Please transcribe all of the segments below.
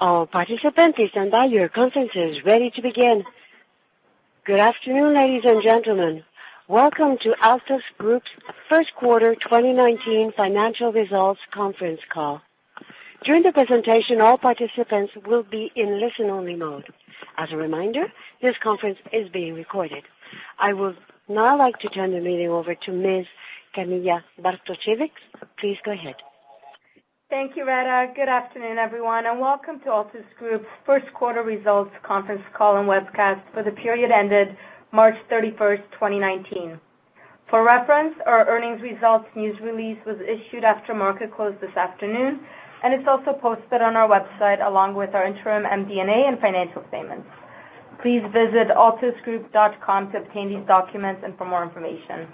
All participants, stand by. Your conference is ready to begin. Good afternoon, ladies and gentlemen. Welcome to Altus Group's first quarter 2019 financial results conference call. During the presentation, all participants will be in listen-only mode. As a reminder, this conference is being recorded. I would now like to turn the meeting over to Ms. Camilla Bartosiewicz. Please go ahead. Thank you, Reta. Good afternoon, everyone, and welcome to Altus Group's first quarter results conference call and webcast for the period ended March 31st, 2019. For reference, our earnings results news release was issued after market close this afternoon, and it is also posted on our website along with our interim MD&A and financial statements. Please visit altusgroup.com to obtain these documents and for more information.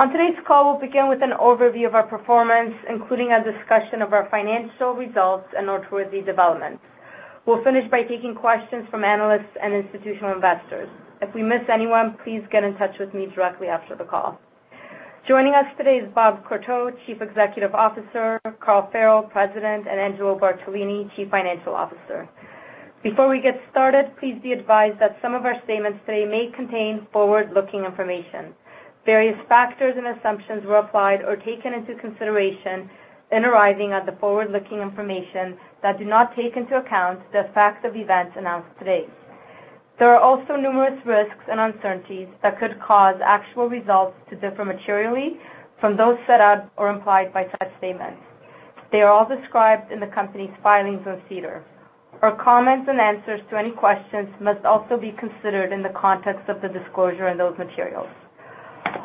On today's call, we will begin with an overview of our performance, including a discussion of our financial results and noteworthy developments. We will finish by taking questions from analysts and institutional investors. If we miss anyone, please get in touch with me directly after the call. Joining us today is Bob Courteau, Chief Executive Officer, Carl Farrell, President, and Angelo Bartolini, Chief Financial Officer. Before we get started, please be advised that some of our statements today may contain forward-looking information. Various factors and assumptions were applied or taken into consideration in arriving at the forward-looking information that do not take into account the fact of events announced today. There are also numerous risks and uncertainties that could cause actual results to differ materially from those set out or implied by such statements. They are all described in the company's filings on SEDAR. Our comments and answers to any questions must also be considered in the context of the disclosure in those materials.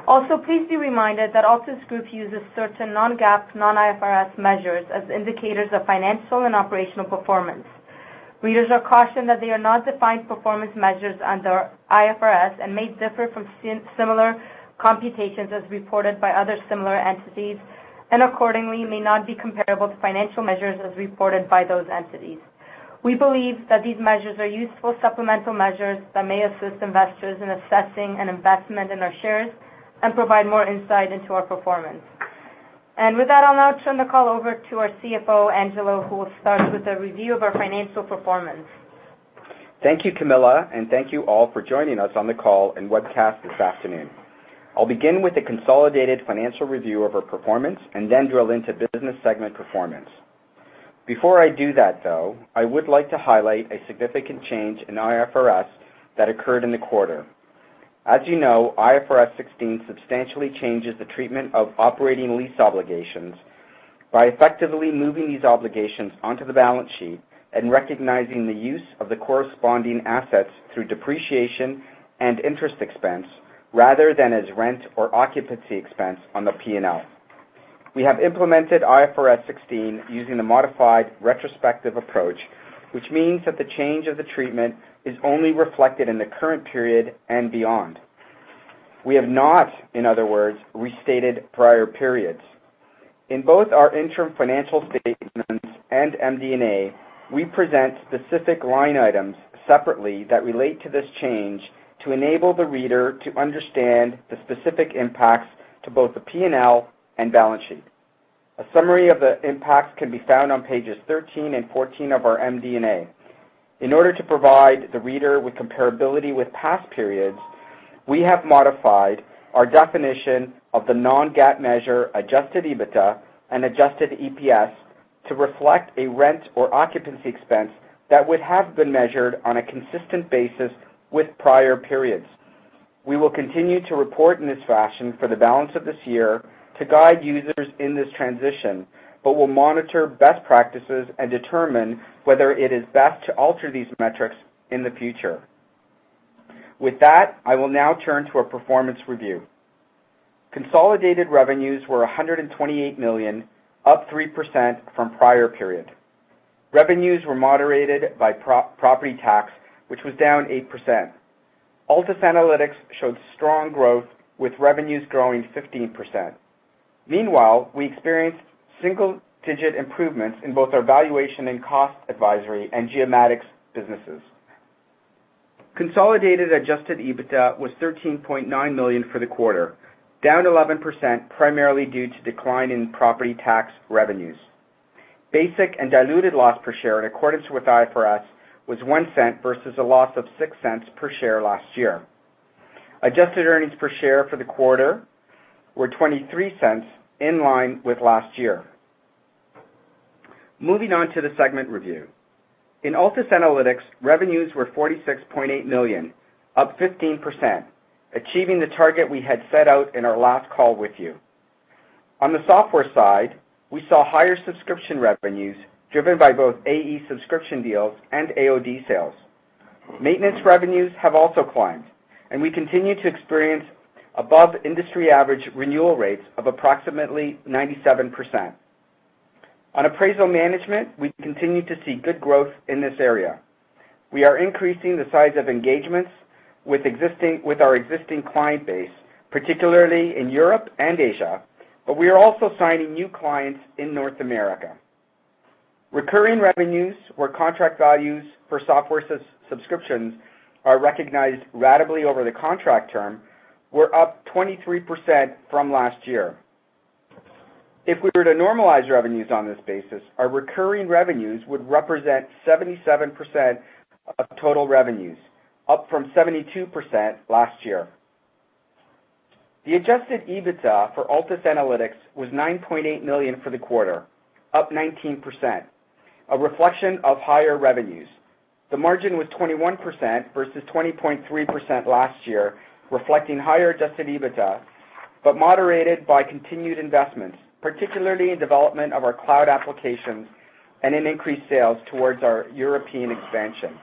Also, please be reminded that Altus Group uses certain non-GAAP, non-IFRS measures as indicators of financial and operational performance. Readers are cautioned that they are not defined performance measures under IFRS and may differ from similar computations as reported by other similar entities, and accordingly, may not be comparable to financial measures as reported by those entities. We believe that these measures are useful supplemental measures that may assist investors in assessing an investment in our shares and provide more insight into our performance. With that, I will now turn the call over to our CFO, Angelo, who will start with a review of our financial performance. Thank you, Camilla, and thank you all for joining us on the call and webcast this afternoon. I will begin with a consolidated financial review of our performance and then drill into business segment performance. Before I do that, though, I would like to highlight a significant change in IFRS that occurred in the quarter. As you know, IFRS 16 substantially changes the treatment of operating lease obligations by effectively moving these obligations onto the balance sheet and recognizing the use of the corresponding assets through depreciation and interest expense rather than as rent or occupancy expense on the P&L. We have implemented IFRS 16 using the modified retrospective approach, which means that the change of the treatment is only reflected in the current period and beyond. We have not, in other words, restated prior periods. In both our interim financial statements and MD&A, we present specific line items separately that relate to this change to enable the reader to understand the specific impacts to both the P&L and balance sheet. A summary of the impacts can be found on pages 13 and 14 of our MD&A. In order to provide the reader with comparability with past periods, we have modified our definition of the non-GAAP measure adjusted EBITDA and adjusted EPS to reflect a rent or occupancy expense that would have been measured on a consistent basis with prior periods. We will continue to report in this fashion for the balance of this year to guide users in this transition, but we'll monitor best practices and determine whether it is best to alter these metrics in the future. With that, I will now turn to our performance review. Consolidated revenues were 128 million, up 3% from prior period. Revenues were moderated by property tax, which was down 8%. Altus Analytics showed strong growth, with revenues growing 15%. Meanwhile, we experienced single-digit improvements in both our valuation and cost advisory and Geomatics businesses. Consolidated adjusted EBITDA was 13.9 million for the quarter, down 11%, primarily due to decline in property tax revenues. Basic and diluted loss per share in accordance with IFRS was 0.01 versus a loss of 0.06 per share last year. Adjusted earnings per share for the quarter were 0.23, in line with last year. Moving on to the segment review. In Altus Analytics, revenues were 46.8 million, up 15%, achieving the target we had set out in our last call with you. On the software side, we saw higher subscription revenues driven by both AE subscription deals and AOD sales. Maintenance revenues have also climbed, and we continue to experience above-industry average renewal rates of approximately 97%. On appraisal management, we continue to see good growth in this area. We are increasing the size of engagements with our existing client base, particularly in Europe and Asia, but we are also signing new clients in North America. Recurring revenues or contract values for software subscriptions are recognized ratably over the contract term were up 23% from last year. If we were to normalize revenues on this basis, our recurring revenues would represent 77% of total revenues, up from 72% last year. The adjusted EBITDA for Altus Analytics was 9.8 million for the quarter, up 19%, a reflection of higher revenues. The margin was 21% versus 20.3% last year, reflecting higher adjusted EBITDA, but moderated by continued investments, particularly in development of our cloud applications and in increased sales towards our European expansion.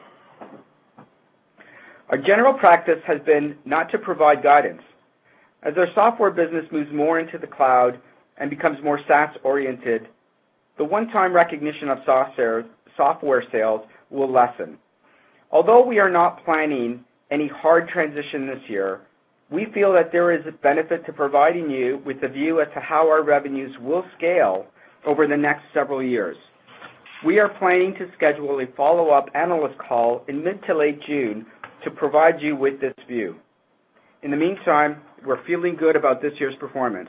Our general practice has been not to provide guidance. As our software business moves more into the cloud and becomes more SaaS-oriented, the one-time recognition of software sales will lessen. We feel that there is a benefit to providing you with a view as to how our revenues will scale over the next several years. We are planning to schedule a follow-up analyst call in mid to late June to provide you with this view. We're feeling good about this year's performance,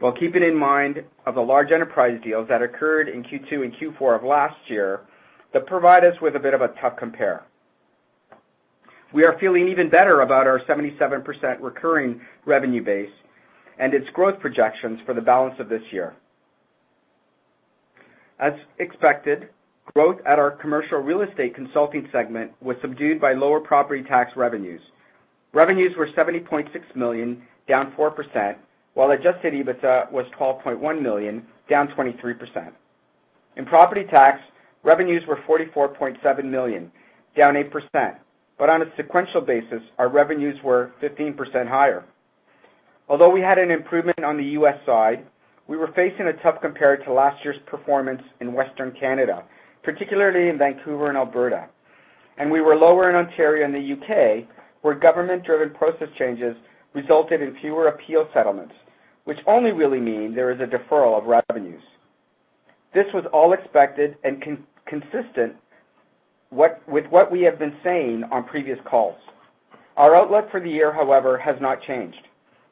while keeping in mind of the large enterprise deals that occurred in Q2 and Q4 of last year that provide us with a bit of a tough compare. We are feeling even better about our 77% recurring revenue base and its growth projections for the balance of this year. Growth at our commercial real estate consulting segment was subdued by lower property tax revenues. Revenues were 70.6 million, down 4%, while adjusted EBITDA was 12.1 million, down 23%. Revenues were 44.7 million, down 8%. On a sequential basis, our revenues were 15% higher. We had an improvement on the U.S. side, we were facing a tough compare to last year's performance in Western Canada, particularly in Vancouver and Alberta. We were lower in Ontario and the U.K., where government-driven process changes resulted in fewer appeal settlements, which only really mean there is a deferral of revenues. This was all expected and consistent with what we have been saying on previous calls. Our outlook for the year, however, has not changed.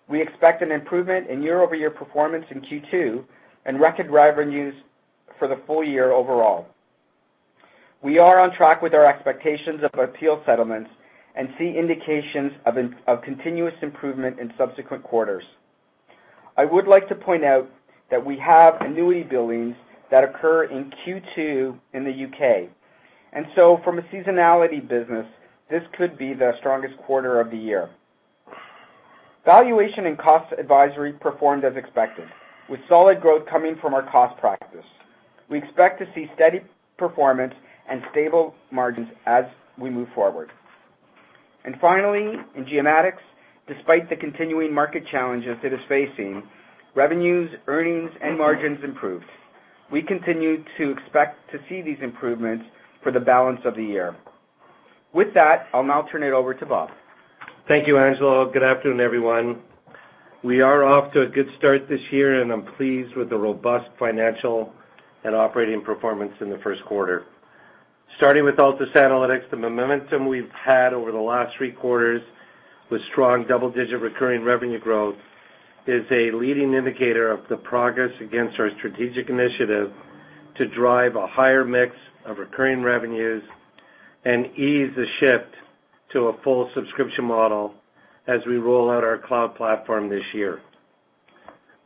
We expect an improvement in year-over-year performance in Q2 and record revenues for the full year overall. We are on track with our expectations of appeal settlements and see indications of continuous improvement in subsequent quarters. I would like to point out that we have annuity billings that occur in Q2 in the U.K. From a seasonality business, this could be the strongest quarter of the year. Valuation and cost advisory performed as expected, with solid growth coming from our cost practice. We expect to see steady performance and stable margins as we move forward. In Geomatics, despite the continuing market challenges it is facing, revenues, earnings, and margins improved. We continue to expect to see these improvements for the balance of the year. With that, I'll now turn it over to Bob. Thank you, Angelo. Good afternoon, everyone. We are off to a good start this year, and I'm pleased with the robust financial and operating performance in the first quarter. Altus Analytics, the momentum we've had over the last three quarters with strong double-digit recurring revenue growth is a leading indicator of the progress against our strategic initiative to drive a higher mix of recurring revenues and ease the shift to a full subscription model as we roll out our cloud platform this year.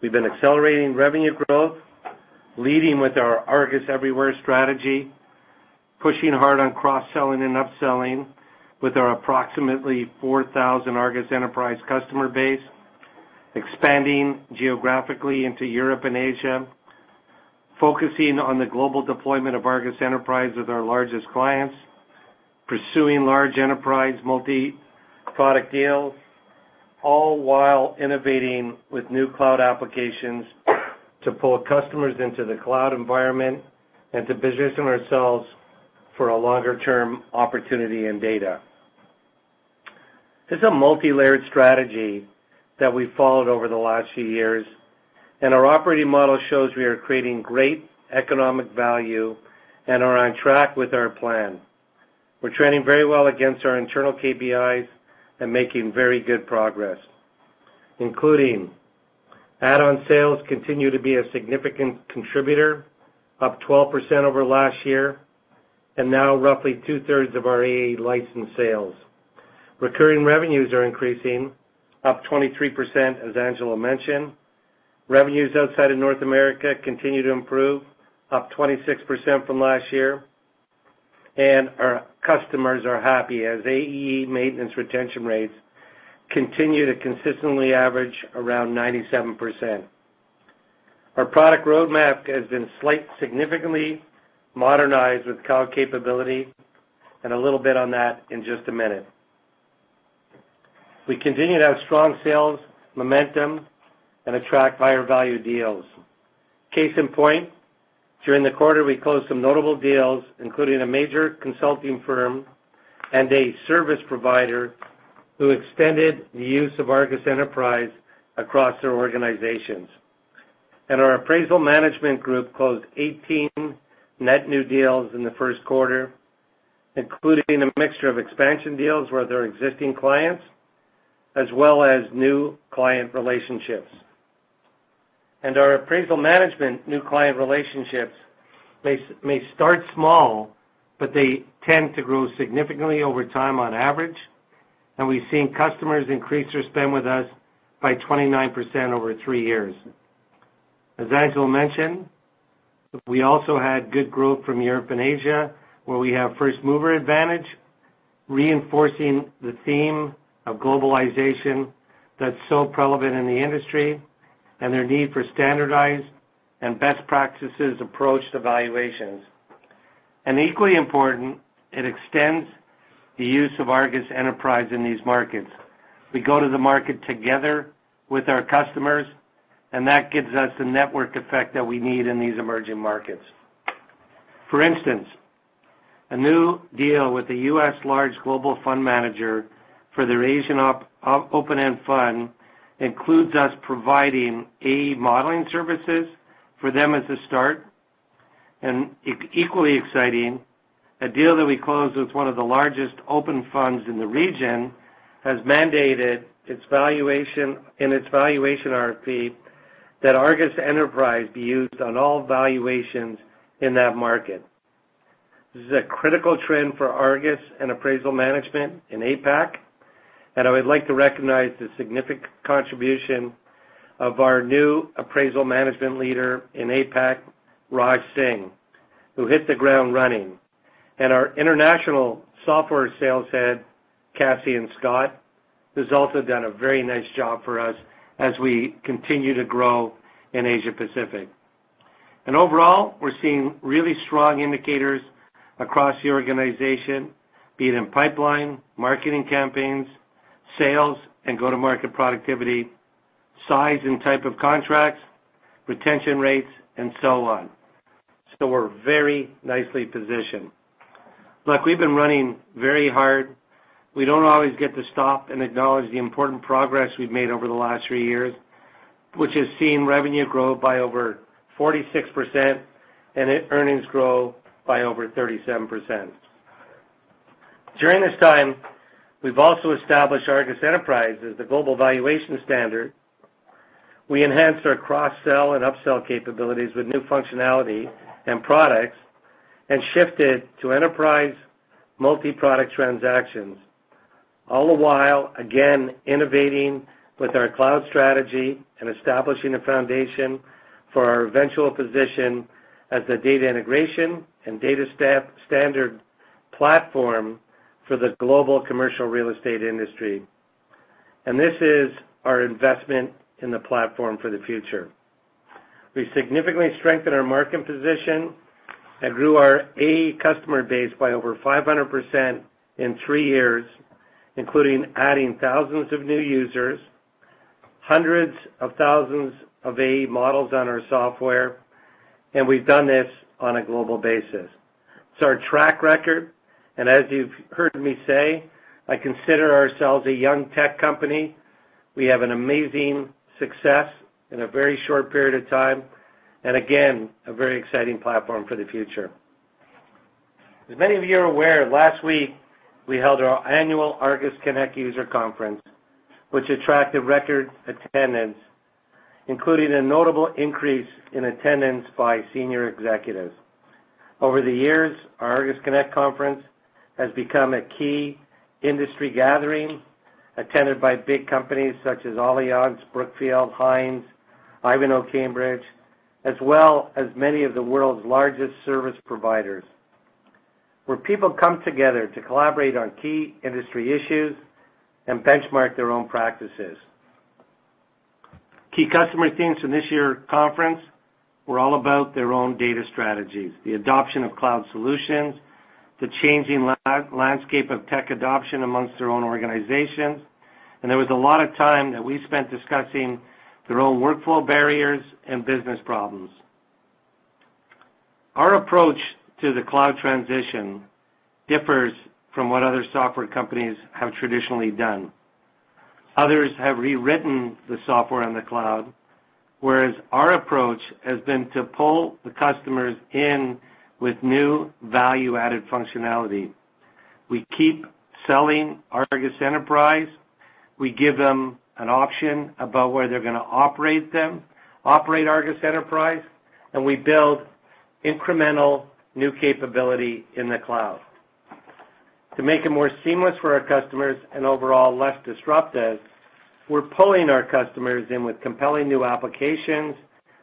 We've been accelerating revenue growth, leading with our Argus Everywhere strategy, pushing hard on cross-selling and upselling with our approximately 4,000 ARGUS Enterprise customer base, expanding geographically into Europe and Asia, focusing on the global deployment of ARGUS Enterprise with our largest clients, pursuing large enterprise multi-product deals, all while innovating with new cloud applications to pull customers into the cloud environment and to position ourselves for a longer-term opportunity in data. It's a multilayered strategy that we followed over the last few years, and our operating model shows we are creating great economic value and are on track with our plan. We're trending very well against our internal KPIs and making very good progress, including add-on sales continue to be a significant contributor, up 12% over last year and now roughly two-thirds of our AE license sales. Recurring revenues are increasing, up 23%, as Angelo mentioned. Revenues outside of North America continue to improve, up 26% from last year, and our customers are happy as AE maintenance retention rates continue to consistently average around 97%. Our product roadmap has been significantly modernized with cloud capability, a little bit on that in just a minute. We continue to have strong sales momentum and attract higher-value deals. Case in point, during the quarter, we closed some notable deals, including a major consulting firm and a service provider who extended the use of ARGUS Enterprise across their organizations. Our appraisal management group closed 18 net new deals in the first quarter, including a mixture of expansion deals with our existing clients, as well as new client relationships. Our appraisal management new client relationships may start small, but they tend to grow significantly over time on average, and we've seen customers increase their spend with us by 29% over three years. As Angelo mentioned, we also had good growth from Europe and Asia, where we have first-mover advantage, reinforcing the theme of globalization that's so prevalent in the industry, and their need for standardized and best practices approached evaluations. Equally important, it extends the use of ARGUS Enterprise in these markets. We go to the market together with our customers, and that gives us the network effect that we need in these emerging markets. For instance, a new deal with a U.S. large global fund manager for their Asian open-end fund includes us providing AE modeling services for them as a start. Equally exciting, a deal that we closed with one of the largest open funds in the region has mandated in its valuation RFP that ARGUS Enterprise be used on all valuations in that market. This is a critical trend for Argus and appraisal management in APAC, I would like to recognize the significant contribution of our new appraisal management leader in APAC, Raj Singh, who hit the ground running. Our international software sales head, Cassian Scott, who's also done a very nice job for us as we continue to grow in Asia Pacific. Overall, we're seeing really strong indicators across the organization, be it in pipeline, marketing campaigns, sales, and go-to-market productivity, size and type of contracts, retention rates, and so on. We're very nicely positioned. Look, we've been running very hard. We don't always get to stop and acknowledge the important progress we've made over the last three years, which has seen revenue grow by over 46% and earnings grow by over 37%. During this time, we've also established ARGUS Enterprise as the global valuation standard. We enhanced our cross-sell and upsell capabilities with new functionality and products and shifted to enterprise multi-product transactions. All the while, again, innovating with our cloud strategy and establishing a foundation for our eventual position as a data integration and data standard platform for the global commercial real estate industry. This is our investment in the platform for the future. We significantly strengthened our market position and grew our A customer base by over 500% in three years, including adding thousands of new users, hundreds of thousands of A models on our software, and we've done this on a global basis. It's our track record, and as you've heard me say, I consider ourselves a young tech company. We have an amazing success in a very short period of time, and again, a very exciting platform for the future. As many of you are aware, last week, we held our annual Altus Connect user conference, which attracted record attendance, including a notable increase in attendance by senior executives. Over the years, our Altus Connect conference has become a key industry gathering attended by big companies such as Allianz, Brookfield, Hines, Ivanhoé Cambridge, as well as many of the world's largest service providers, where people come together to collaborate on key industry issues and benchmark their own practices. Key customer themes in this year's conference were all about their own data strategies, the adoption of cloud solutions, the changing landscape of PropTech adoption amongst their own organizations, and there was a lot of time that we spent discussing their own workflow barriers and business problems. Our approach to the cloud transition differs from what other software companies have traditionally done. Others have rewritten the software on the cloud, whereas our approach has been to pull the customers in with new value-added functionality. We keep selling ARGUS Enterprise. We give them an option about where they're going to operate ARGUS Enterprise, and we build incremental new capability in the cloud. To make it more seamless for our customers and overall less disruptive, we're pulling our customers in with compelling new applications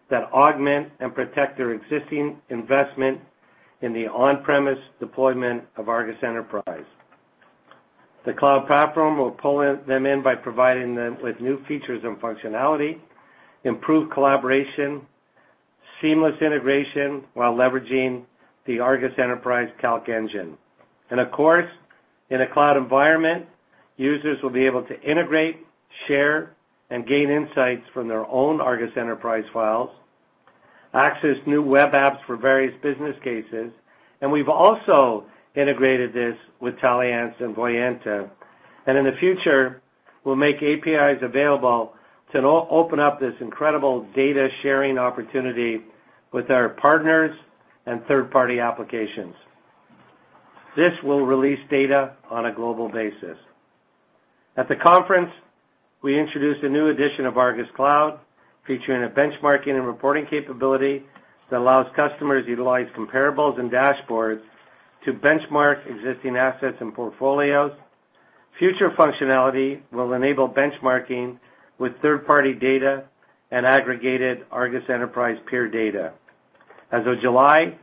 that augment and protect their existing investment in the on-premise deployment of ARGUS Enterprise. The cloud platform will pull them in by providing them with new features and functionality, improved collaboration, seamless integration, while leveraging the ARGUS Enterprise calc engine. Of course, in a cloud environment, users will be able to integrate, share, and gain insights from their own ARGUS Enterprise files. Access new web apps for various business cases, and we've also integrated this with Taliance and Voyanta. In the future, we'll make APIs available to open up this incredible data-sharing opportunity with our partners and third-party applications. This will release data on a global basis. At the conference, we introduced a new edition of ARGUS Cloud, featuring a benchmarking and reporting capability that allows customers to utilize comparables and dashboards to benchmark existing assets and portfolios. Future functionality will enable benchmarking with third-party data and aggregated ARGUS Enterprise peer data. As of July,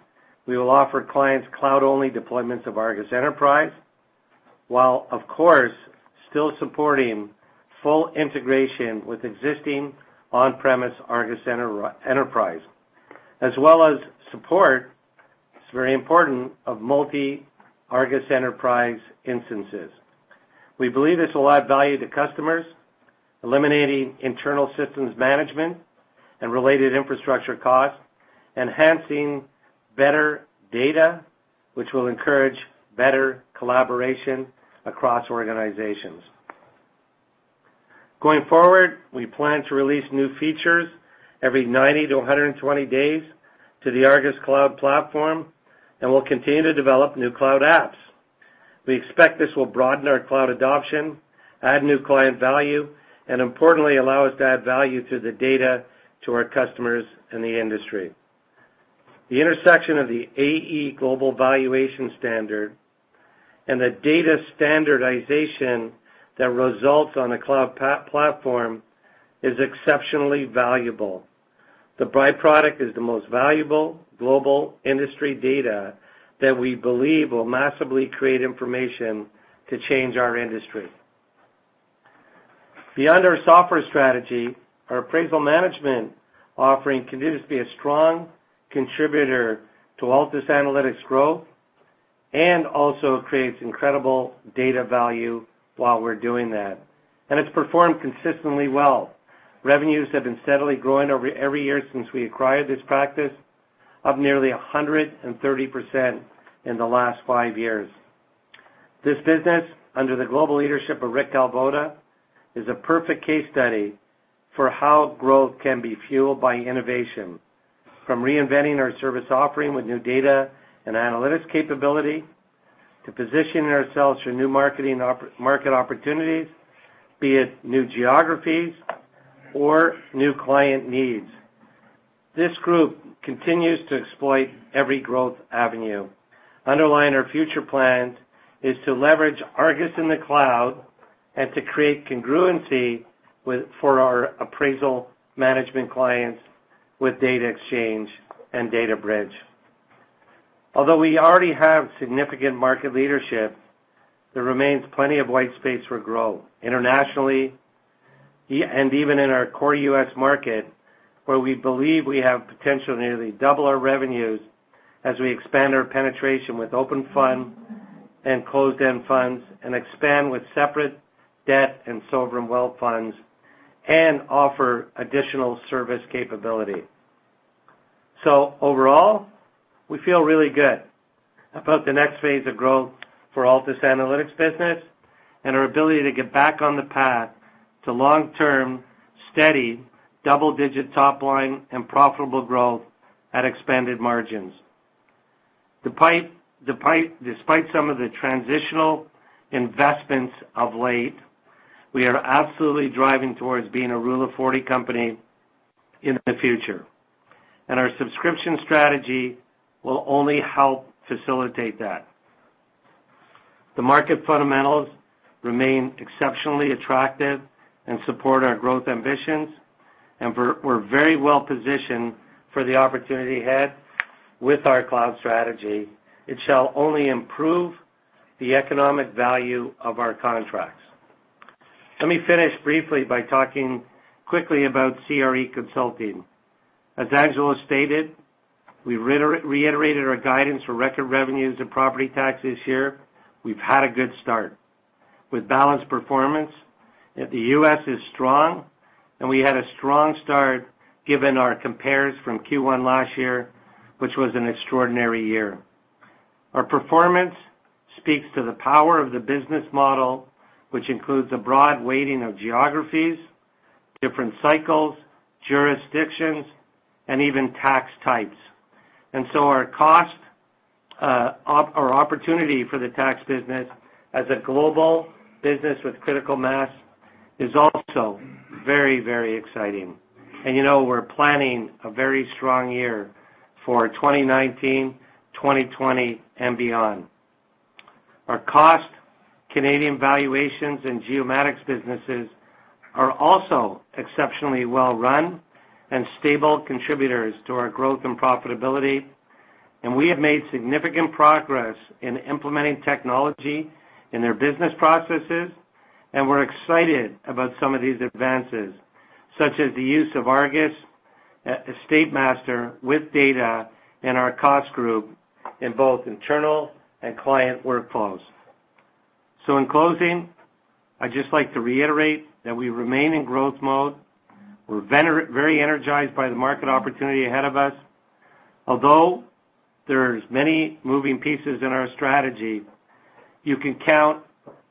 we will offer clients cloud-only deployments of ARGUS Enterprise, while of course, still supporting full integration with existing on-premise ARGUS Enterprise. As well as support, it's very important, of multi ARGUS Enterprise instances. We believe this will add value to customers, eliminating internal systems management and related infrastructure costs, enhancing better data, which will encourage better collaboration across organizations. Going forward, we plan to release new features every 90 to 120 days to the ARGUS Cloud platform, and we'll continue to develop new cloud apps. We expect this will broaden our cloud adoption, add new client value, and importantly, allow us to add value to the data to our customers and the industry. The intersection of the AE global valuation standard and the data standardization that results on a cloud platform is exceptionally valuable. The byproduct is the most valuable global industry data that we believe will massively create information to change our industry. Beyond our software strategy, our appraisal management offering continues to be a strong contributor to Altus Analytics growth and also creates incredible data value while we're doing that. It's performed consistently well. Revenues have been steadily growing every year since we acquired this practice, up nearly 130% in the last five years. This business, under the global leadership of Rick Kalvoda, is a perfect case study for how growth can be fueled by innovation, from reinventing our service offering with new data and analytics capability to positioning ourselves for new market opportunities, be it new geographies or new client needs. This group continues to exploit every growth avenue. Underlining our future plans is to leverage Argus in the cloud and to create congruency for our appraisal management clients with data exchange and data bridge. Although we already have significant market leadership, there remains plenty of white space for growth internationally, and even in our core U.S. market, where we believe we have potential to nearly double our revenues as we expand our penetration with open funds and closed-end funds and expand with separate debt and sovereign wealth funds and offer additional service capability. Overall, we feel really good about the next phase of growth for Altus Analytics business and our ability to get back on the path to long-term, steady, double-digit top line and profitable growth at expanded margins. Despite some of the transitional investments of late, we are absolutely driving towards being a Rule of 40 company in the future, and our subscription strategy will only help facilitate that. The market fundamentals remain exceptionally attractive and support our growth ambitions, and we're very well positioned for the opportunity ahead with our cloud strategy. It shall only improve the economic value of our contracts. Let me finish briefly by talking quickly about CRE consulting. As Angelo stated, we reiterated our guidance for record revenues and property tax this year. We've had a good start with balanced performance, and the U.S. is strong, and we had a strong start given our compares from Q1 last year, which was an extraordinary year. Our performance speaks to the power of the business model, which includes a broad weighting of geographies, different cycles, jurisdictions, and even tax types. Our opportunity for the tax business as a global business with critical mass is also very exciting. We're planning a very strong year for 2019, 2020, and beyond. Our cost, Canadian valuations, and Geomatics businesses are also exceptionally well-run and stable contributors to our growth and profitability. We have made significant progress in implementing technology in their business processes, and we're excited about some of these advances, such as the use of ARGUS EstateMaster with data in our cost group in both internal and client workflows. In closing, I'd just like to reiterate that we remain in growth mode. We're very energized by the market opportunity ahead of us. Although there's many moving pieces in our strategy, you can count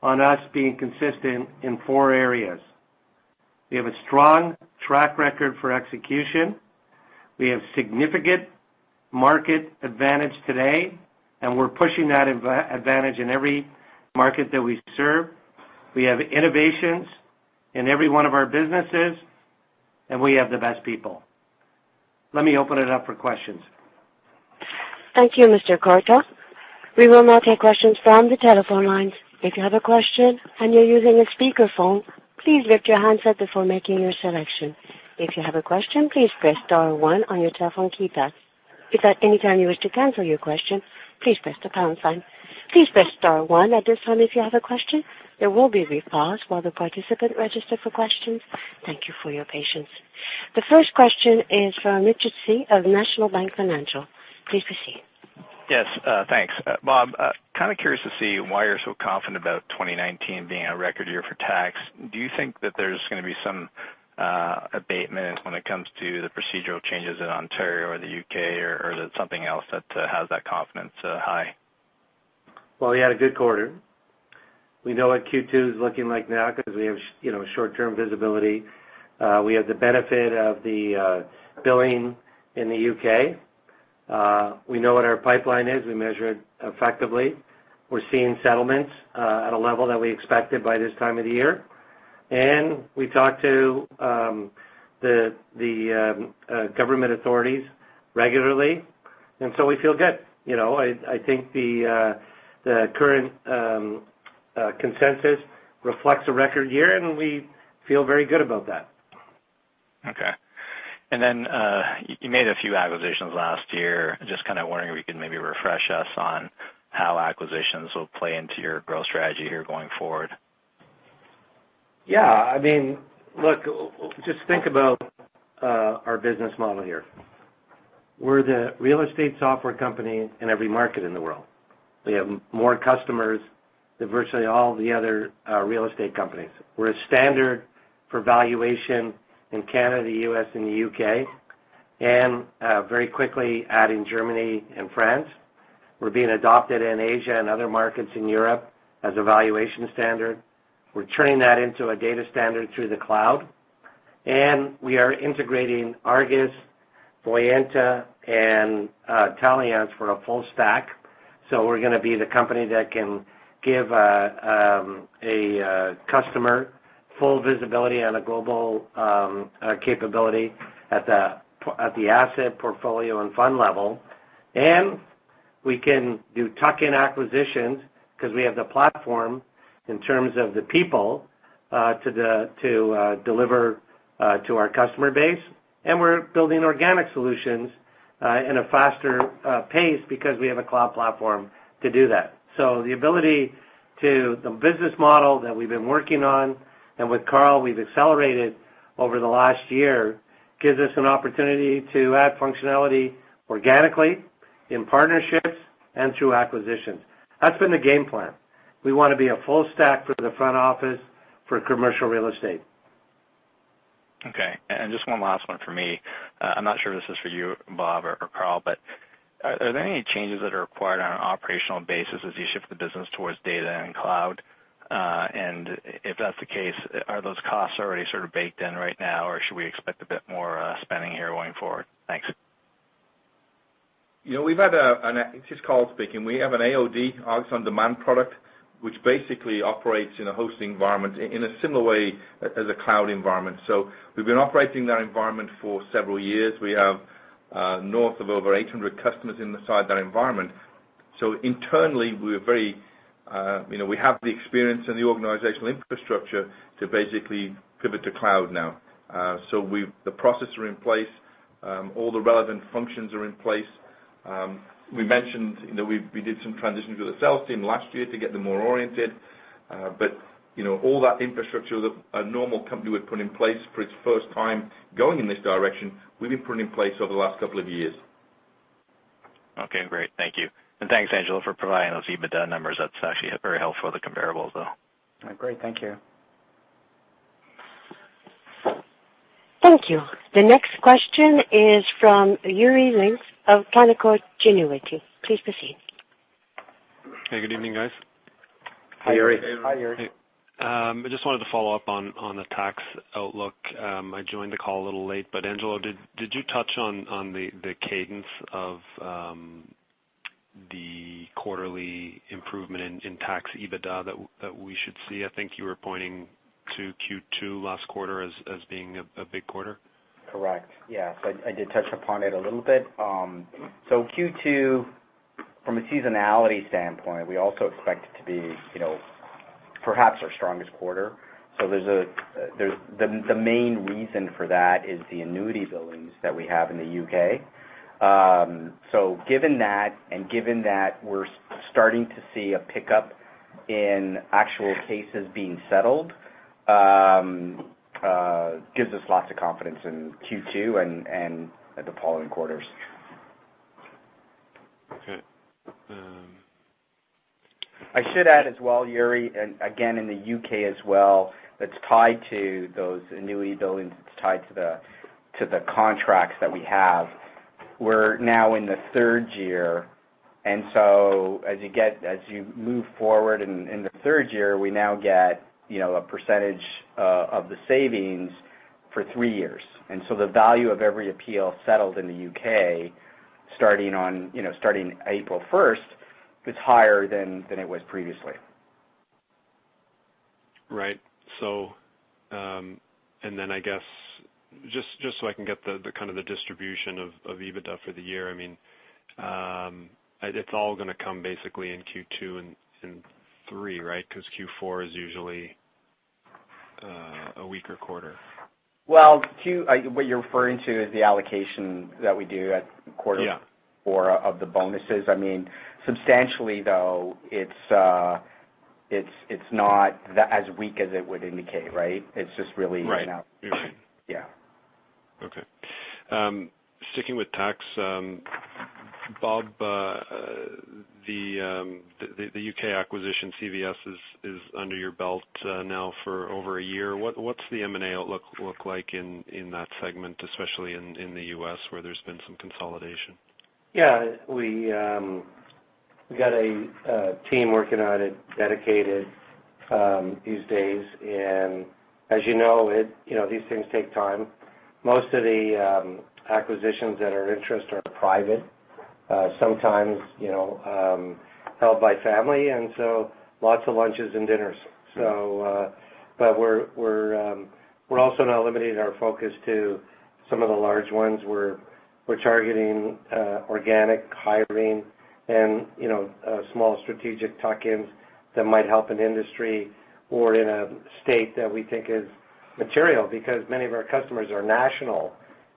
on us being consistent in four areas. We have a strong track record for execution. We have significant market advantage today. We're pushing that advantage in every market that we serve. We have innovations in every one of our businesses. We have the best people. Let me open it up for questions. Thank you, Mr. Courteau. We will now take questions from the telephone lines. If you have a question and you're using a speakerphone, please lift your handset before making your selection. If you have a question, please press star 1 on your telephone keypad. If at any time you wish to cancel your question, please press the pound sign. Please press star 1 at this time if you have a question. There will be a brief pause while the participant register for questions. Thank you for your patience. The first question is from Richard Tse of National Bank Financial. Please proceed. Yes, thanks. Bob, kind of curious to see why you're so confident about 2019 being a record year for tax. Do you think that there's going to be some abatement when it comes to the procedural changes in Ontario or the U.K., or is it something else that has that confidence high? Well, we had a good quarter. We know what Q2 is looking like now because we have short-term visibility. We have the benefit of the billing in the U.K. We know what our pipeline is. We measure it effectively. We're seeing settlements at a level that we expected by this time of the year. We talk to the government authorities regularly, so we feel good. I think the current consensus reflects a record year. We feel very good about that. Okay. You made a few acquisitions last year. Just kind of wondering if you could maybe refresh us on how acquisitions will play into your growth strategy here going forward. Yeah. Look, just think about our business model here. We're the real estate software company in every market in the world. We have more customers than virtually all the other real estate companies. We're a standard for valuation in Canada, U.S., and the U.K., and very quickly adding Germany and France. We're being adopted in Asia and other markets in Europe as a valuation standard. We're turning that into a data standard through the cloud. We are integrating Argus, Voyanta, and Taliance for a full stack. We're going to be the company that can give a customer full visibility on a global capability at the asset portfolio and fund level. We can do tuck-in acquisitions because we have the platform in terms of the people to deliver to our customer base. We're building organic solutions in a faster pace because we have a cloud platform to do that. The ability to the business model that we've been working on, and with Carl, we've accelerated over the last year, gives us an opportunity to add functionality organically in partnerships and through acquisitions. That's been the game plan. We want to be a full stack for the front office for commercial real estate. Just one last one for me. I'm not sure if this is for you, Bob or Carl. Are there any changes that are required on an operational basis as you shift the business towards data and cloud? If that's the case, are those costs already sort of baked in right now, or should we expect a bit more spending here going forward? Thanks. This is Carl speaking. We have an AOD, ARGUS On Demand product, which basically operates in a hosting environment in a similar way as a cloud environment. We've been operating that environment for several years. We have north of over 800 customers inside that environment. Internally, we have the experience and the organizational infrastructure to basically pivot to cloud now. The processes are in place. All the relevant functions are in place. We mentioned that we did some transitions with the sales team last year to get them more oriented. All that infrastructure that a normal company would put in place for its first time going in this direction, we've been putting in place over the last couple of years. Okay, great. Thank you. Thanks, Angelo, for providing those EBITDA numbers. That's actually very helpful, the comparables, though. Great. Thank you. Thank you. The next question is from Yuri Lynk of Canaccord Genuity. Please proceed. Hey, good evening, guys. Hi, Yuri. Hi, Yuri. I just wanted to follow up on the tax outlook. I joined the call a little late, but Angelo, did you touch on the cadence of the quarterly improvement in tax EBITDA that we should see? I think you were pointing to Q2 last quarter as being a big quarter. Correct. Yes, I did touch upon it a little bit. Q2, from a seasonality standpoint, we also expect it to be perhaps our strongest quarter. The main reason for that is the annuity billings that we have in the U.K. Given that, and given that we're starting to see a pickup in actual cases being settled, gives us lots of confidence in Q2 and the following quarters. Okay. I should add as well, Yuri. Again, in the U.K. as well, that's tied to those annuity buildings, it's tied to the contracts that we have. We're now in the third year. As you move forward in the third year, we now get a percentage of the savings for three years. The value of every appeal settled in the U.K., starting April 1st, is higher than it was previously. Right. I guess, just so I can get the distribution of EBITDA for the year, it's all going to come basically in Q2 and three, right? Because Q4 is usually a weaker quarter. Well, what you're referring to is the allocation that we do at quarter- Yeah four of the bonuses. Substantially, though, it's not as weak as it would indicate, right? It's just really- Right yeah. Okay. Sticking with tax, Bob, the U.K. acquisition, CVS is under your belt now for over a year. What's the M&A outlook look like in that segment, especially in the U.S. where there's been some consolidation? Yeah. We got a team working on it, dedicated these days, and as you know, these things take time. Most of the acquisitions that are of interest are private. Sometimes held by family, and so lots of lunches and dinners. We're also now limiting our focus to some of the large ones. We're targeting organic hiring and small strategic tuck-ins that might help an industry or in a state that we think is material, because many of our customers are national.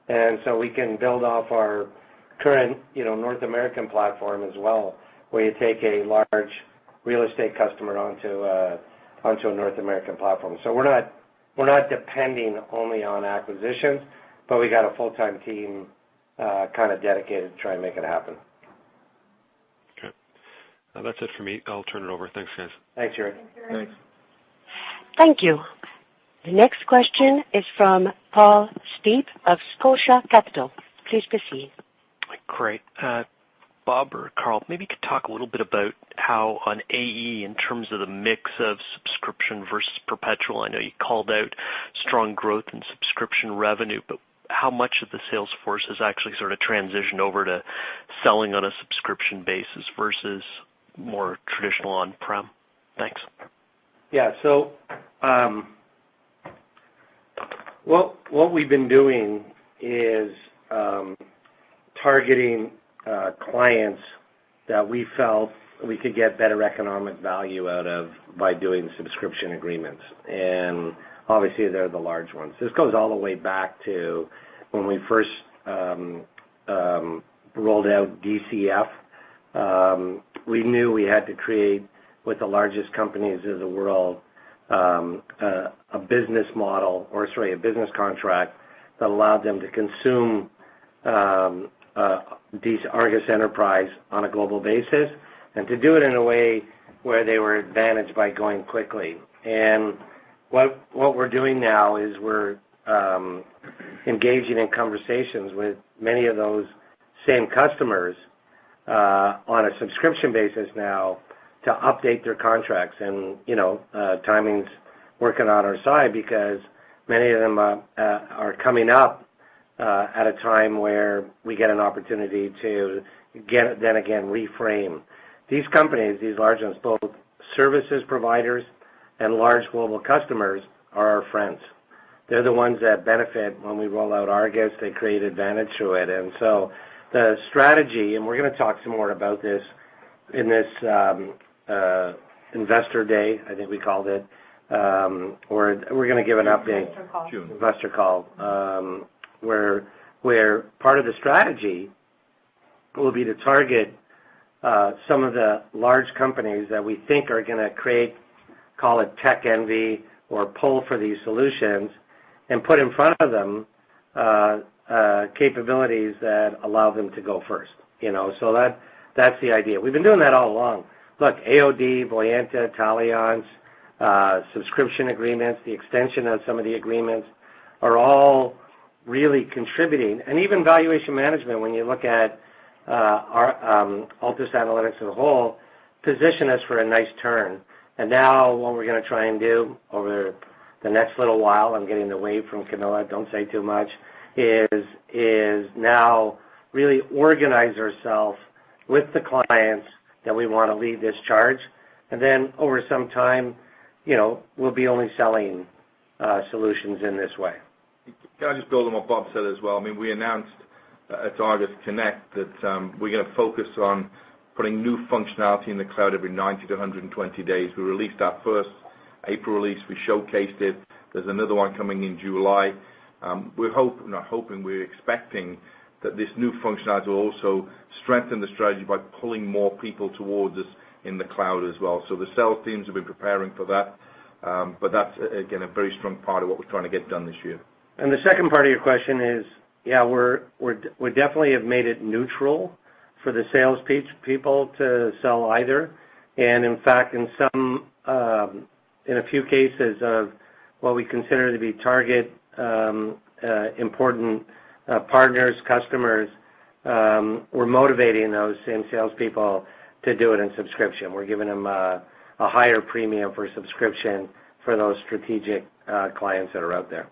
We can build off our current North American platform as well, where you take a large real estate customer onto a North American platform. We're not depending only on acquisitions, but we got a full-time team kind of dedicated to try and make it happen. Okay. That's it for me. I'll turn it over. Thanks, guys. Thanks, Yuri. Thanks, Yuri. Thanks. Thank you. The next question is from Paul Steep of Scotia Capital. Please proceed. Great. Bob or Carl, maybe you could talk a little bit about how on ARGUS Enterprise, in terms of the mix of subscription versus perpetual, I know you called out strong growth in subscription revenue, but how much of the sales force has actually sort of transitioned over to selling on a subscription basis versus more traditional on-prem? Thanks. Yeah. What we've been doing is targeting clients that we felt we could get better economic value out of by doing subscription agreements. Obviously, they're the large ones. This goes all the way back to when we first rolled out DCF. We knew we had to create, with the largest companies in the world, a business model or sorry, a business contract that allowed them to consume these ARGUS Enterprise on a global basis, and to do it in a way where they were advantaged by going quickly. What we're doing now is we're engaging in conversations with many of those same customers on a subscription basis now to update their contracts. Timing's working on our side because many of them are coming up at a time where we get an opportunity to, then again, reframe. These companies, these large ones, both services providers and large global customers, are our friends. They're the ones that benefit when we roll out Argus. They create advantage to it. The strategy, and we're going to talk some more about this in this investor day, I think we called it, or we're going to give an update. Investor call. Investor call, where part of the strategy will be to target some of the large companies that we think are going to create, call it tech envy or pull for these solutions, and put in front of them capabilities that allow them to go first. That's the idea. We've been doing that all along. Look, AOD, Voyanta, Taliance subscription agreements, the extension of some of the agreements are all really contributing. Even valuation management, when you look at Altus Analytics as a whole, position us for a nice turn. Now what we're going to try and do over the next little while, I'm getting the wave from Camilla, don't say too much, is now really organize ourselves with the clients that we want to lead this charge. Then over some time, we'll be only selling solutions in this way. Can I just build on what Bob said as well? We announced at Altus Connect that we're going to focus on putting new functionality in the cloud every 90 to 120 days. We released our first April release. We showcased it. There's another one coming in July. We're hoping, not hoping, we're expecting that this new functionality will also strengthen the strategy by pulling more people towards us in the cloud as well. The sales teams have been preparing for that. That's, again, a very strong part of what we're trying to get done this year. The second part of your question is, yeah, we definitely have made it neutral for the salespeople to sell either. In fact, in a few cases of what we consider to be target important partners, customers, we're motivating those same salespeople to do it in subscription. We're giving them a higher premium for subscription for those strategic clients that are out there.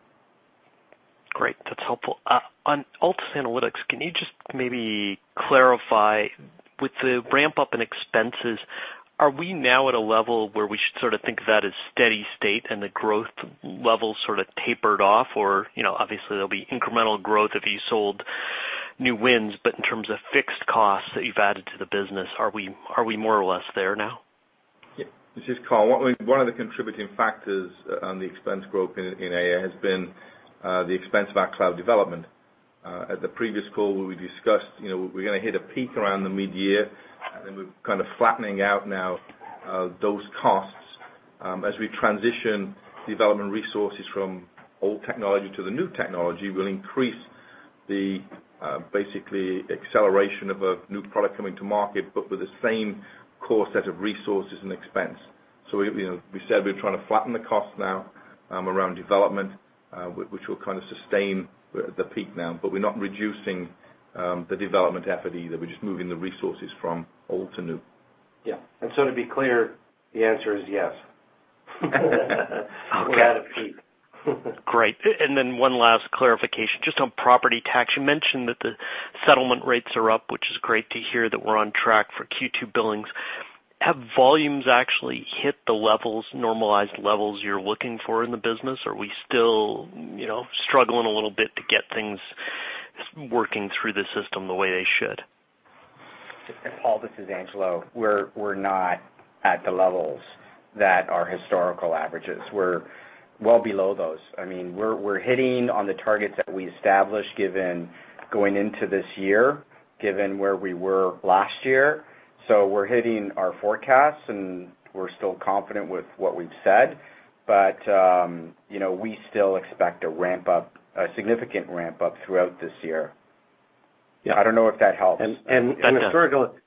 Great. That's helpful. On Altus Analytics, can you just maybe clarify, with the ramp-up in expenses, are we now at a level where we should sort of think of that as steady state and the growth level sort of tapered off? Obviously, there'll be incremental growth if you sold new wins, but in terms of fixed costs that you've added to the business, are we more or less there now? This is Carl. One of the contributing factors on the expense growth in AA has been the expense of our cloud development. At the previous call, we discussed we're going to hit a peak around the mid-year, and then we're kind of flattening out now those costs. As we transition development resources from old technology to the new technology, we'll increase the acceleration of a new product coming to market, but with the same core set of resources and expense. We said we're trying to flatten the cost now around development, which will kind of sustain the peak now, but we're not reducing the development effort either. We're just moving the resources from old to new. To be clear, the answer is yes. Okay. We're at a peak. Great. One last clarification, just on property tax, you mentioned that the settlement rates are up, which is great to hear that we're on track for Q2 billings. Have volumes actually hit the normalized levels you're looking for in the business? Are we still struggling a little bit to get things working through the system the way they should? Paul, this is Angelo. We're not at the levels that are historical averages. We're well below those. We're hitting on the targets that we established going into this year, given where we were last year. We're hitting our forecasts, and we're still confident with what we've said. We still expect a significant ramp-up throughout this year. Yeah. I don't know if that helps.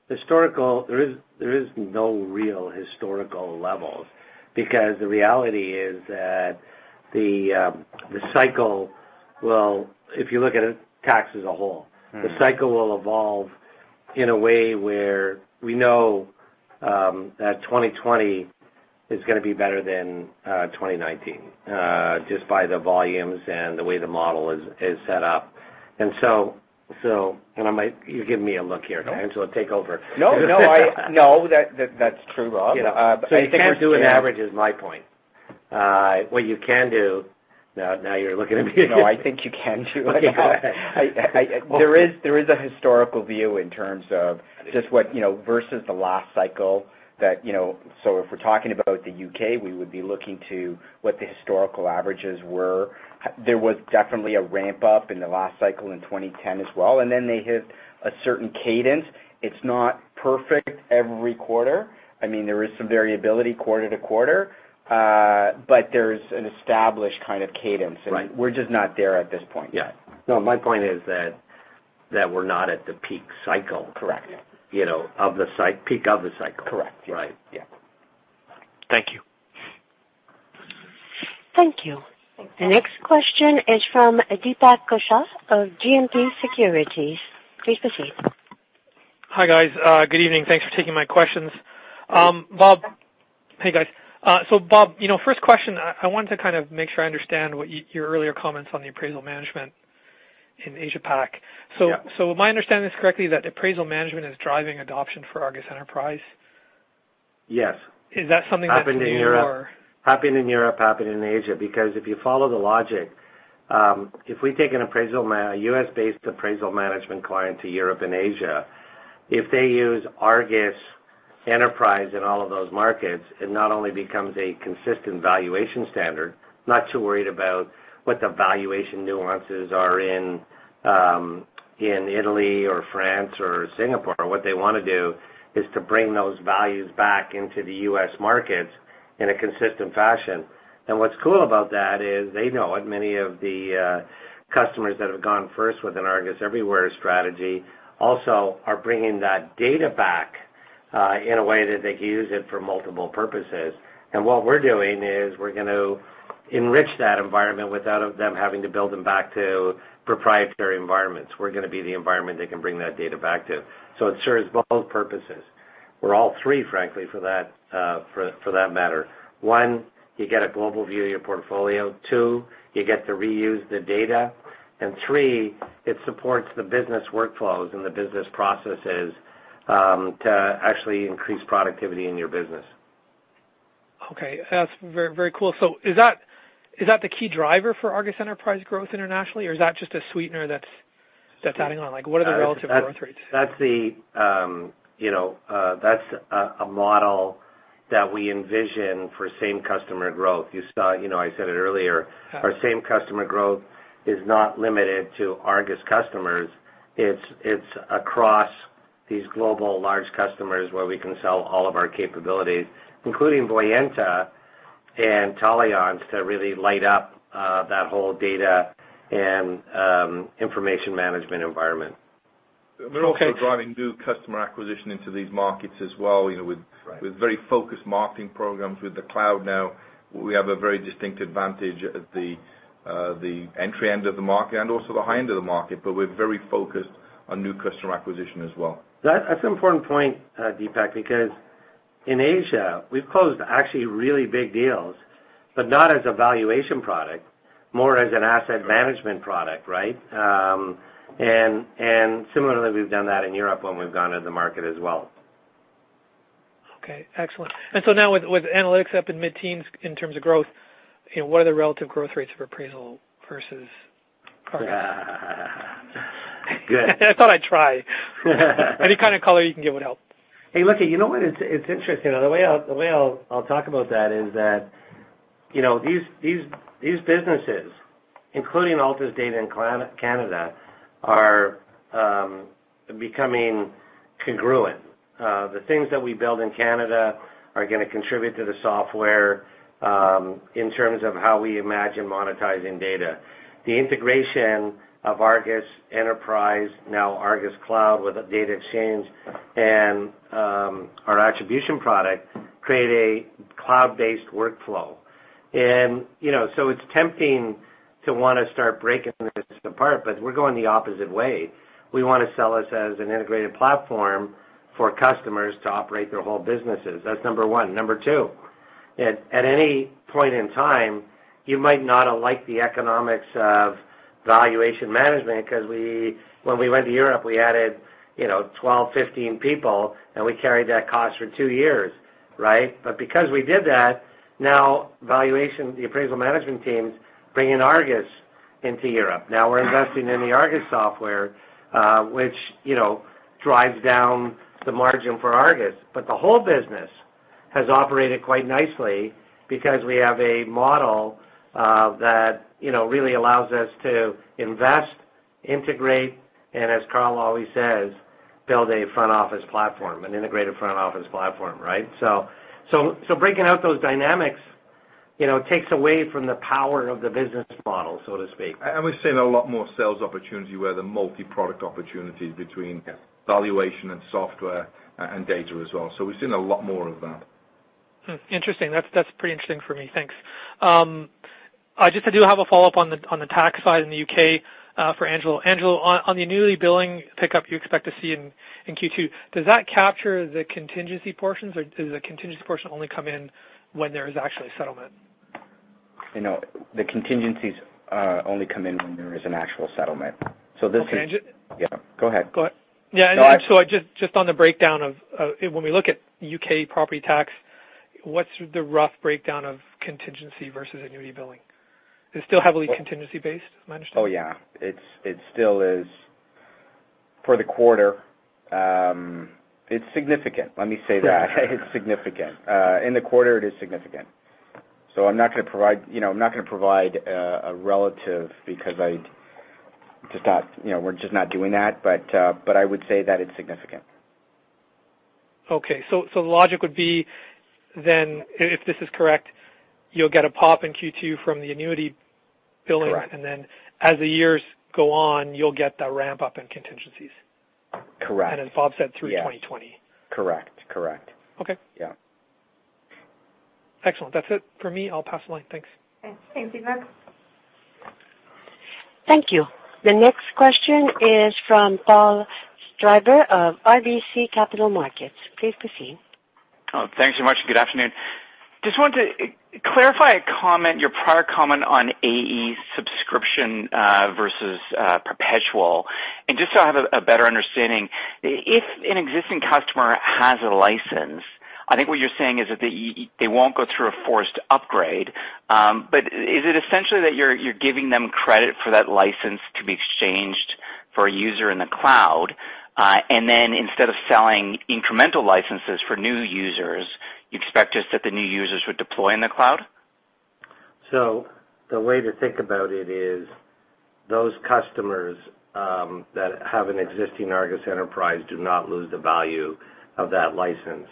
Historical, there is no real historical levels because the reality is that the cycle will, if you look at tax as a whole The cycle will evolve in a way where we know that 2020 is going to be better than 2019, just by the volumes and the way the model is set up. You're giving me a look here. No. Angelo, take over. That's true, Bob. You can't do an average, is my point. What you can do. You're looking at me. I think you can do. Okay. There is a historical view in terms of just what versus the last cycle that, if we're talking about the U.K., we would be looking to what the historical averages were. There was definitely a ramp-up in the last cycle in 2010 as well. They hit a certain cadence. It's not perfect every quarter. There is some variability quarter to quarter. There's an established kind of cadence. Right. We're just not there at this point yet. No, my point is that we're not at the peak cycle. Correct. Peak of the cycle. Correct. Right. Yeah. Thank you. Thank you. The next question is from Deepak Kaushal of GMP Securities. Please proceed. Hi, guys. Good evening. Thanks for taking my questions. Hey, guys. Bob, first question, I wanted to kind of make sure I understand your earlier comments on the appraisal management in Asia-Pac. Yeah. Am I understanding this correctly that appraisal management is driving adoption for ARGUS Enterprise? Yes. Is that something that? Happened in Europe, happened in Asia. If you follow the logic, if we take a U.S.-based appraisal management client to Europe and Asia, if they use ARGUS Enterprise in all of those markets, it not only becomes a consistent valuation standard, not too worried about what the valuation nuances are in Italy or France or Singapore. What they want to do is to bring those values back into the U.S. markets in a consistent fashion. What's cool about that is they know it. Many of the customers that have gone first with an Argus Everywhere strategy also are bringing that data back in a way that they can use it for multiple purposes. What we're doing is we're going to enrich that environment without them having to build them back to proprietary environments. We're going to be the environment they can bring that data back to. It serves both purposes. Well, all three, frankly, for that matter. One, you get a global view of your portfolio. Two, you get to reuse the data. Three, it supports the business workflows and the business processes to actually increase productivity in your business. Okay. That's very cool. Is that the key driver for ARGUS Enterprise growth internationally, or is that just a sweetener that's adding on? What are the relative growth rates? That's a model that we envision for same customer growth. You saw, I said it earlier. Yeah. Our same customer growth is not limited to Argus customers. It's across these global large customers where we can sell all of our capabilities, including Voyanta and Taliance to really light up that whole data and information management environment. We're also driving new customer acquisition into these markets as well with very focused marketing programs. With the cloud now, we have a very distinct advantage at the entry end of the market and also the high end of the market, but we're very focused on new customer acquisition as well. That's an important point, Deepak, because in Asia, we've closed actually really big deals, but not as a valuation product, more as an asset management product, right? Similarly, we've done that in Europe when we've gone to the market as well. Okay. Excellent. Now with analytics up in mid-teens in terms of growth, what are the relative growth rates for appraisal versus Argus? Good. I thought I'd try. Any kind of color you can give would help. Hey, look. You know what, it's interesting. The way I'll talk about that is that these businesses, including Altus Data in Canada, are becoming congruent. The things that we build in Canada are going to contribute to the software, in terms of how we imagine monetizing data. The integration of ARGUS Enterprise, now ARGUS Cloud with a data exchange and our attribution product, create a cloud-based workflow. It's tempting to want to start breaking this apart. We're going the opposite way. We want to sell this as an integrated platform for customers to operate their whole businesses. That's number one. Number two, at any point in time, you might not have liked the economics of valuation management because when we went to Europe, we added 12, 15 people, and we carried that cost for two years, right? Because we did that, now valuation, the appraisal management team's bringing ARGUS into Europe. Now we're investing in the ARGUS software, which drives down the margin for ARGUS. The whole business has operated quite nicely because we have a model that really allows us to invest, integrate, and as Carl always says, build a front office platform, an integrated front office platform, right? Breaking out those dynamics takes away from the power of the business model, so to speak. We're seeing a lot more sales opportunity where the multi-product opportunities between valuation and software and data as well. We've seen a lot more of that. Hmm, interesting. That's pretty interesting for me. Thanks. I just do have a follow-up on the tax side in the U.K., for Angelo. Angelo, on the annuity billing pickup you expect to see in Q2, does that capture the contingency portions, or does the contingency portion only come in when there is actually a settlement? The contingencies only come in when there is an actual settlement. Okay. Yeah, go ahead. Go ahead. Yeah. No. Just on the breakdown of when we look at U.K. property tax, what's the rough breakdown of contingency versus annuity billing? It's still heavily contingency based, am I understanding? Oh, yeah. It still is for the quarter. It's significant. Let me say that. It's significant. In the quarter, it is significant. I'm not going to provide a relative because we're just not doing that. I would say that it's significant. Okay. The logic would be then, if this is correct, you'll get a pop in Q2 from the annuity billing. Correct As the years go on, you'll get the ramp-up in contingencies. Correct. As Bob said, through 2020. Correct. Okay. Yeah. Excellent. That's it for me. I'll pass the line. Thanks. Thanks. Thanks, Deepak. Thank you. The next question is from Paul Treiber of RBC Capital Markets. Please proceed. Oh, thanks so much. Good afternoon. Just wanted to clarify a comment, your prior comment on AE subscription versus perpetual. Just so I have a better understanding, if an existing customer has a license, I think what you're saying is that they won't go through a forced upgrade. Is it essentially that you're giving them credit for that license to be exchanged for a user in the cloud? Instead of selling incremental licenses for new users, you expect just that the new users would deploy in the cloud? The way to think about it is those customers that have an existing ARGUS Enterprise do not lose the value of that license.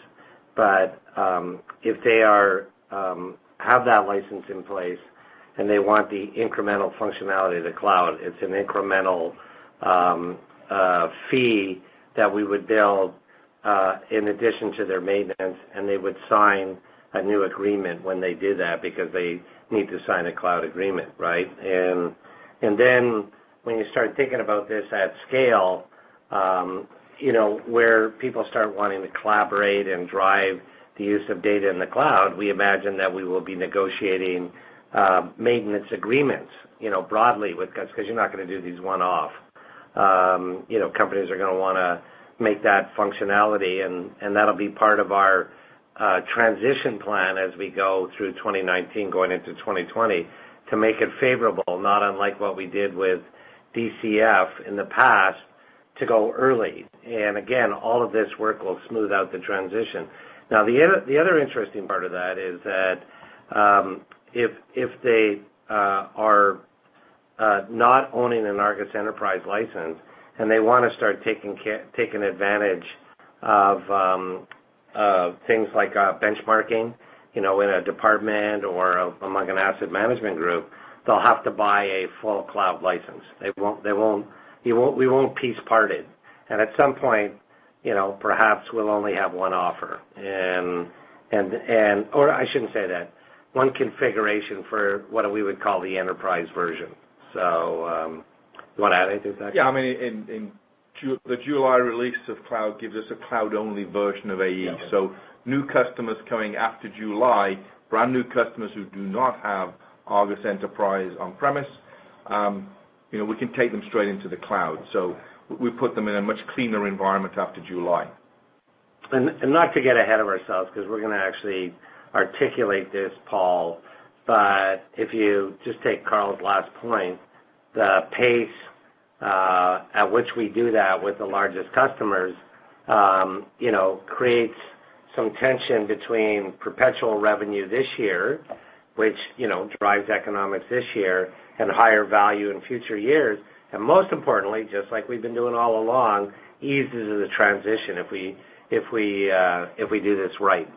If they have that license in place and they want the incremental functionality of the cloud, it's an incremental fee that we would bill in addition to their maintenance, and they would sign a new agreement when they do that because they need to sign a cloud agreement, right? When you start thinking about this at scale where people start wanting to collaborate and drive the use of data in the cloud, we imagine that we will be negotiating maintenance agreements broadly with customers because you're not going to do these one-off. Companies are going to want to make that functionality, and that'll be part of our transition plan as we go through 2019 going into 2020 to make it favorable, not unlike what we did with DCF in the past to go early. Again, all of this work will smooth out the transition. The other interesting part of that is that if they are not owning an ARGUS Enterprise license, and they want to start taking advantage of things like benchmarking in a department or among an asset management group, they'll have to buy a full cloud license. We won't piece part it. At some point, perhaps we'll only have one offer. I shouldn't say that, one configuration for what we would call the enterprise version. Do you want to add anything to that? Yeah. The July release of cloud gives us a cloud-only version of AE. Okay. New customers coming after July, brand-new customers who do not have ARGUS Enterprise on-premise, we can take them straight into the cloud. We put them in a much cleaner environment after July. Not to get ahead of ourselves, because we're going to actually articulate this, Paul, but if you just take Carl's last point, the pace at which we do that with the largest customers creates some tension between perpetual revenue this year. Yes Which drives economics this year and higher value in future years. Most importantly, just like we've been doing all along, eases the transition if we do this right.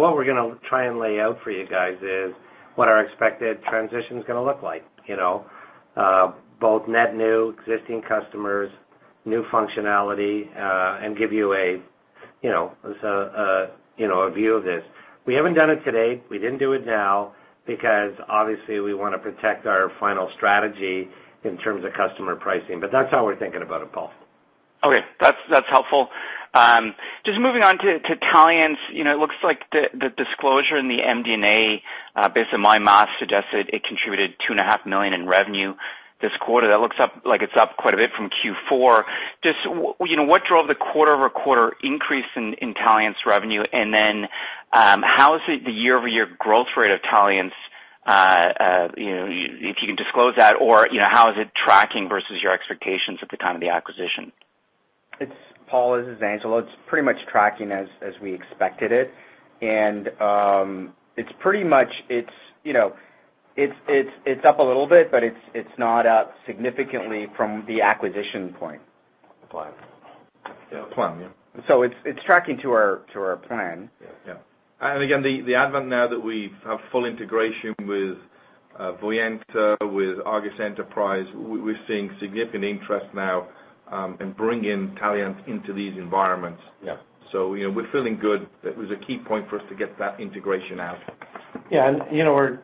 What we're going to try and lay out for you guys is what our expected transition's going to look like. Both net new, existing customers, new functionality, and give you a view of this. We haven't done it today. We didn't do it now, because obviously we want to protect our final strategy in terms of customer pricing. That's how we're thinking about it, Paul. Okay. That's helpful. Just moving on to Taliance. It looks like the disclosure in the MD&A based on MyMass suggests that it contributed two and a half million in revenue this quarter. That looks like it's up quite a bit from Q4. Just what drove the quarter-over-quarter increase in Taliance revenue? How is the year-over-year growth rate of Taliance, if you can disclose that? Or how is it tracking versus your expectations at the time of the acquisition? Paul, this is Angelo. It's pretty much tracking as we expected it. It's up a little bit, but it's not up significantly from the acquisition point. Plan. Yeah. It's tracking to our plan. Yeah. Again, the advent now that we have full integration with Voyanta, with ARGUS Enterprise, we're seeing significant interest now in bringing Taliance into these environments. Yeah. We're feeling good. That was a key point for us to get that integration out. Yeah. We're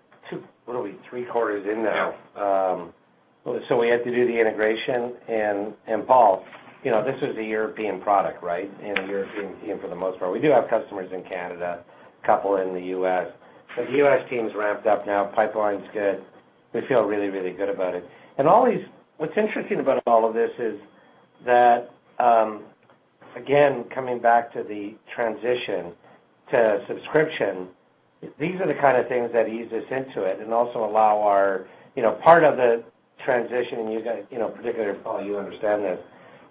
what are we? Three quarters in now. We had to do the integration. Paul, this was a European product, right? In European, for the most part. We do have customers in Canada, couple in the U.S. The U.S. team's ramped up now. Pipeline's good. We feel really, really good about it. What's interesting about all of this is that, again, coming back to the transition to subscription, these are the kind of things that ease us into it and also allow our. Part of the transition, particularly, Paul, you understand this.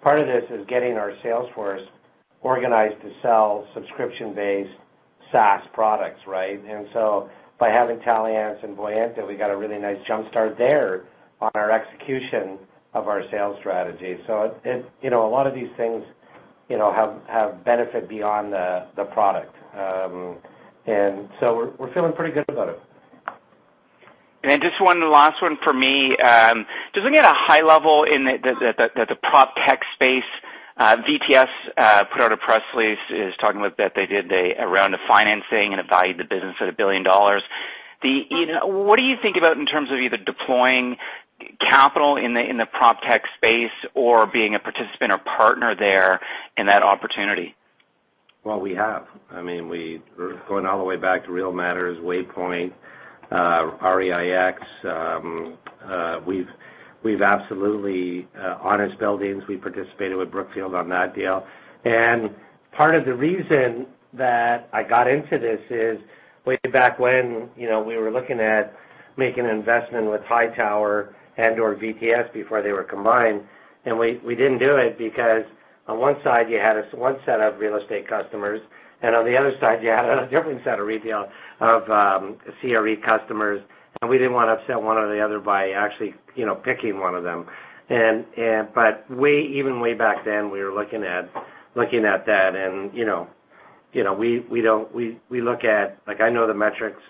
Part of this is getting our sales force organized to sell subscription-based SaaS products, right? By having Taliance and Voyanta, we got a really nice jumpstart there on our execution of our sales strategy. A lot of these things have benefit beyond the product. We're feeling pretty good about it. Just one last one for me. Just looking at a high level in the PropTech space, VTS put out a press release, is talking about that they did a round of financing and it valued the business at 1 billion dollars. What do you think about in terms of either deploying capital in the PropTech space or being a participant or partner there in that opportunity? We have. We're going all the way back to Real Matters, Waypoint, REIX. Honest Buildings, we participated with Brookfield on that deal. Part of the reason that I got into this is way back when we were looking at making an investment with Hightower and/or VTS before they were combined, and we didn't do it because on one side you had one set of real estate customers, and on the other side, you had a different set of CRE customers, and we didn't want to upset one or the other by actually picking one of them. Even way back then, we were looking at that and we look at. Like I know the metrics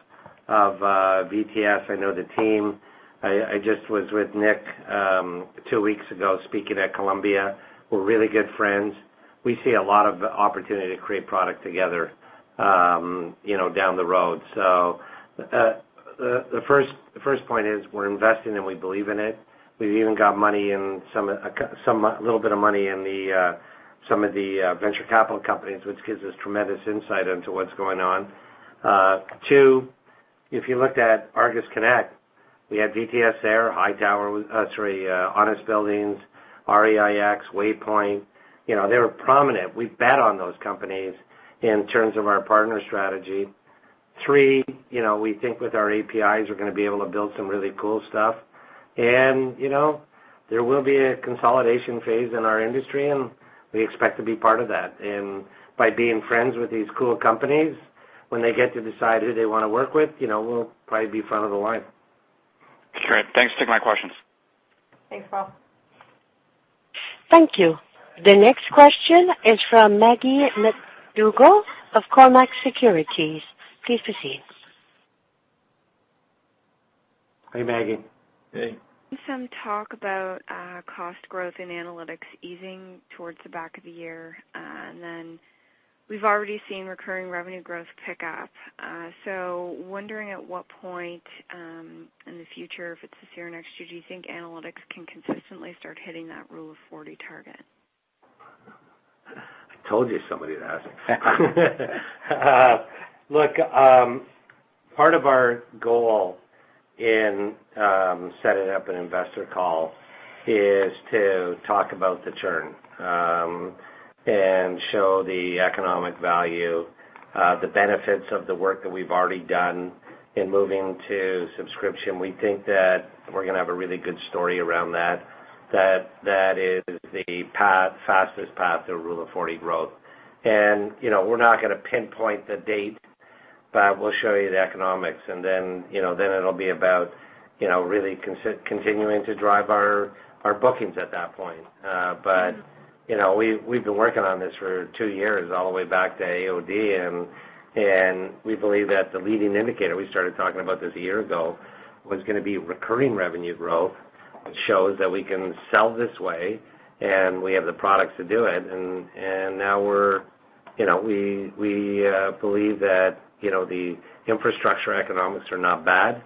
of VTS. I know the team. I just was with Nick two weeks ago speaking at Columbia. We're really good friends. We see a lot of opportunity to create product together down the road. The first point is we're investing and we believe in it. We've even got a little bit of money in some of the venture capital companies, which gives us tremendous insight into what's going on. Two, if you looked at Argus Connect, we had VTS there, Honest Buildings, REIX, Waypoint. They were prominent. We bet on those companies in terms of our partner strategy. Three, we think with our APIs, we're going to be able to build some really cool stuff. There will be a consolidation phase in our industry, and we expect to be part of that. By being friends with these cool companies. When they get to decide who they want to work with, we'll probably be front of the line. Great. Thanks. Take my questions. Thanks, Bob. Thank you. The next question is from Maggie MacDougall of Cormark Securities. Please proceed. Hey, Maggie. Hey. Some talk about cost growth in analytics easing towards the back of the year. We've already seen recurring revenue growth pick up. Wondering at what point in the future, if it's this year or next year, do you think analytics can consistently start hitting that Rule of 40 target? I told you somebody would ask me that. Part of our goal in setting up an investor call is to talk about the churn, and show the economic value, the benefits of the work that we've already done in moving to subscription. We think that we're going to have a really good story around that. That is the fastest path to Rule of 40 growth. We're not going to pinpoint the date, but we'll show you the economics, and then it'll be about really continuing to drive our bookings at that point. We've been working on this for two years, all the way back to AOD, and we believe that the leading indicator, we started talking about this a year ago, was going to be recurring revenue growth. It shows that we can sell this way, and we have the products to do it. We believe that the infrastructure economics are not bad.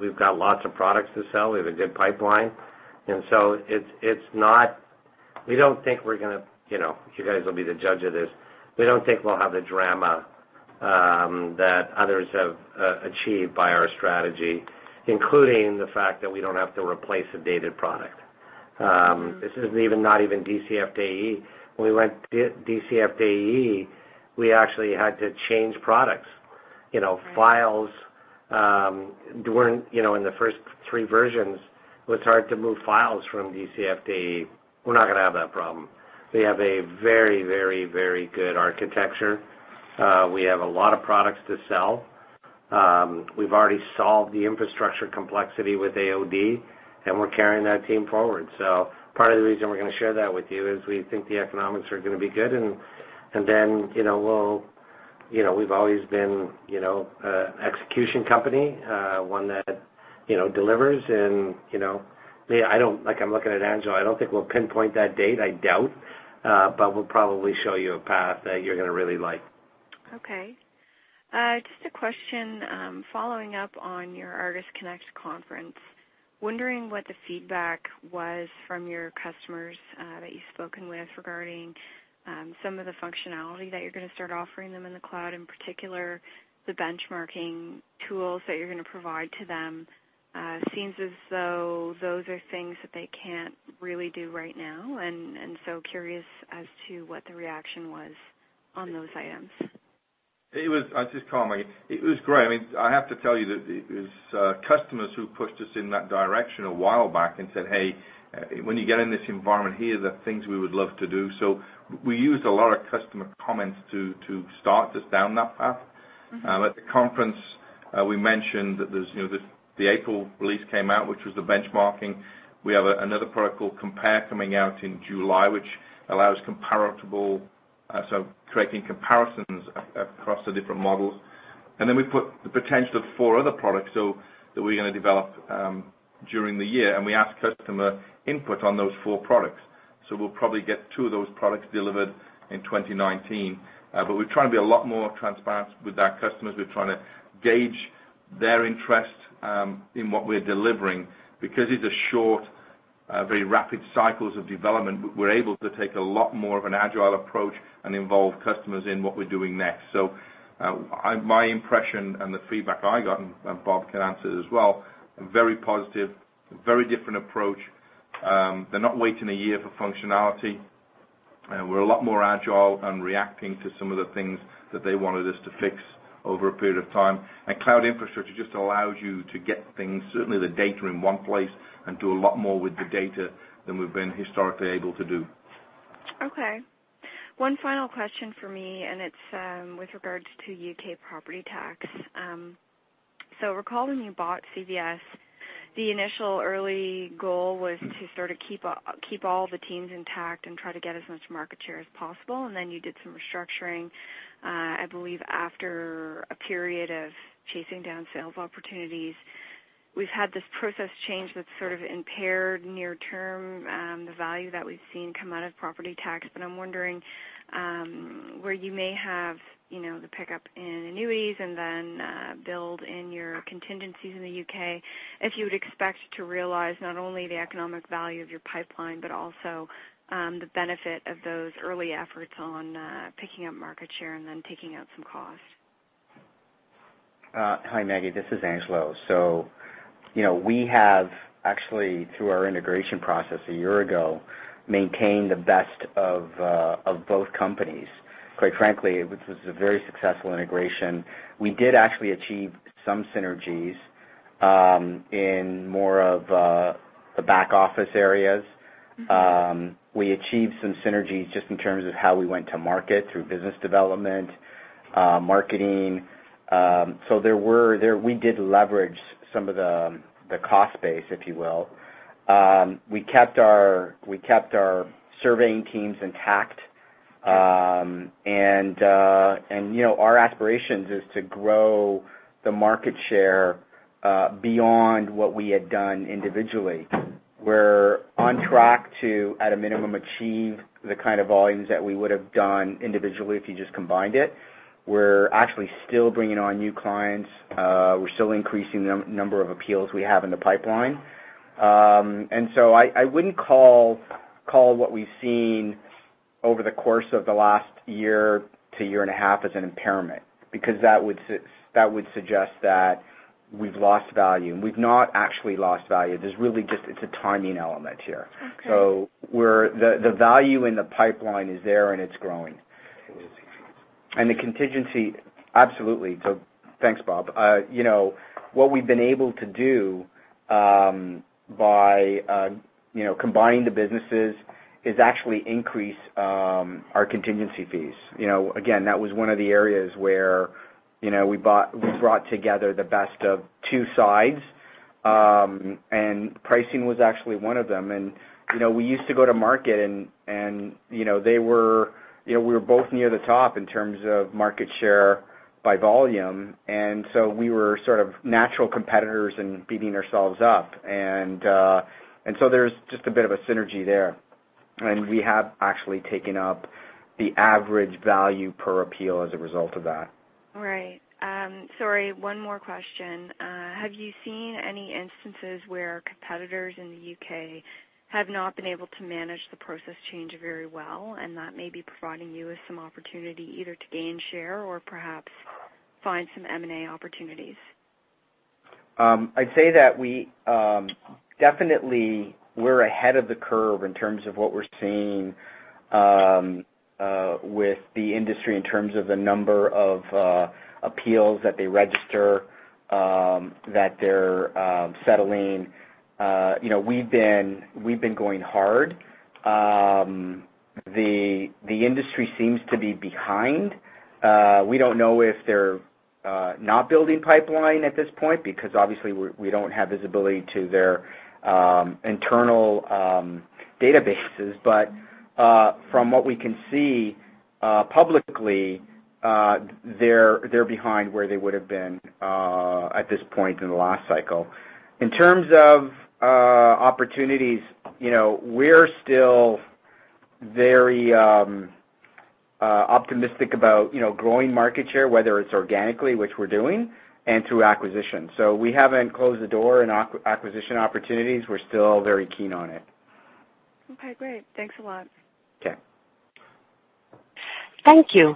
We've got lots of products to sell. We have a good pipeline. We don't think you guys will be the judge of this. We don't think we'll have the drama that others have achieved by our strategy, including the fact that we don't have to replace a dated product. This is not even [DCF DE]. When we went [DCF DE], we actually had to change products. Right. Files. In the first three versions, it was hard to move files from DCF DE. We're not going to have that problem. We have a very good architecture. We have a lot of products to sell. We've already solved the infrastructure complexity with AOD, and we're carrying that team forward. Part of the reason we're going to share that with you is we think the economics are going to be good. We've always been an execution company, one that delivers and I'm looking at Angelo. I don't think we'll pinpoint that date, I doubt, but we'll probably show you a path that you're going to really like. Okay. Just a question, following up on your Altus Connect conference. Wondering what the feedback was from your customers that you've spoken with regarding some of the functionality that you're going to start offering them in the cloud, in particular, the benchmarking tools that you're going to provide to them. Seems as though those are things that they can't really do right now, curious as to what the reaction was on those items. This is Carl, Maggie. It was great. I have to tell you that it was customers who pushed us in that direction a while back and said, "Hey, when you get in this environment here, the things we would love to do." We used a lot of customer comments to start this down that path. At the conference, we mentioned that the April release came out, which was the benchmarking. We have another product called Compare coming out in July. Creating comparisons across the different models. Then we put the potential of four other products, that we're going to develop during the year, and we ask customer input on those four products. We'll probably get two of those products delivered in 2019. We're trying to be a lot more transparent with our customers. We're trying to gauge their interest in what we're delivering because it's a short, very rapid cycles of development. We're able to take a lot more of an agile approach and involve customers in what we're doing next. My impression and the feedback I got, and Bob can answer it as well, very positive, very different approach. They're not waiting a year for functionality. We're a lot more agile and reacting to some of the things that they wanted us to fix over a period of time. Cloud infrastructure just allows you to get things, certainly the data in one place, and do a lot more with the data than we've been historically able to do. Okay. One final question for me, and it's with regards to U.K. property tax. Recall when you bought CVS, the initial early goal was to sort of keep all the teams intact and try to get as much market share as possible. Then you did some restructuring, I believe, after a period of chasing down sales opportunities. We've had this process change that's sort of impaired near term, the value that we've seen come out of property tax. I'm wondering where you may have the pickup in annuities and then build in your contingencies in the U.K. If you would expect to realize not only the economic value of your pipeline, but also the benefit of those early efforts on picking up market share and then taking out some cost. Hi, Maggie. This is Angelo. We have actually, through our integration process a year ago, maintained the best of both companies. Quite frankly, it was a very successful integration. We did actually achieve some synergies -in more of the back office areas. We achieved some synergies just in terms of how we went to market through business development, marketing. We did leverage some of the cost base, if you will. We kept our surveying teams intact. Our aspiration is to grow the market share beyond what we had done individually. We're on track to, at a minimum, achieve the kind of volumes that we would have done individually, if you just combined it. We're actually still bringing on new clients. We're still increasing the number of appeals we have in the pipeline. I wouldn't call what we've seen over the course of the last year to year and a half as an impairment, because that would suggest that we've lost value, and we've not actually lost value. It's a timing element here. Okay. The value in the pipeline is there, and it's growing. Contingency fees. The contingency, absolutely. Thanks, Bob. What we've been able to do by combining the businesses is actually increase our contingency fees. Again, that was one of the areas where we brought together the best of two sides, and pricing was actually one of them. We used to go to market, and we were both near the top in terms of market share by volume, and so we were sort of natural competitors and beating ourselves up. There's just a bit of a synergy there. We have actually taken up the average value per appeal as a result of that. Right. Sorry, one more question. Have you seen any instances where competitors in the U.K. have not been able to manage the process change very well, and that may be providing you with some opportunity either to gain share or perhaps find some M&A opportunities? I'd say that definitely we're ahead of the curve in terms of what we're seeing with the industry in terms of the number of appeals that they register, that they're settling. We've been going hard. The industry seems to be behind. We don't know if they're not building pipeline at this point, because obviously we don't have visibility to their internal databases. From what we can see publicly, they're behind where they would've been at this point in the last cycle. In terms of opportunities, we're still very optimistic about growing market share, whether it's organically, which we're doing, and through acquisition. We haven't closed the door on acquisition opportunities. We're still very keen on it. Okay, great. Thanks a lot. Okay. Thank you.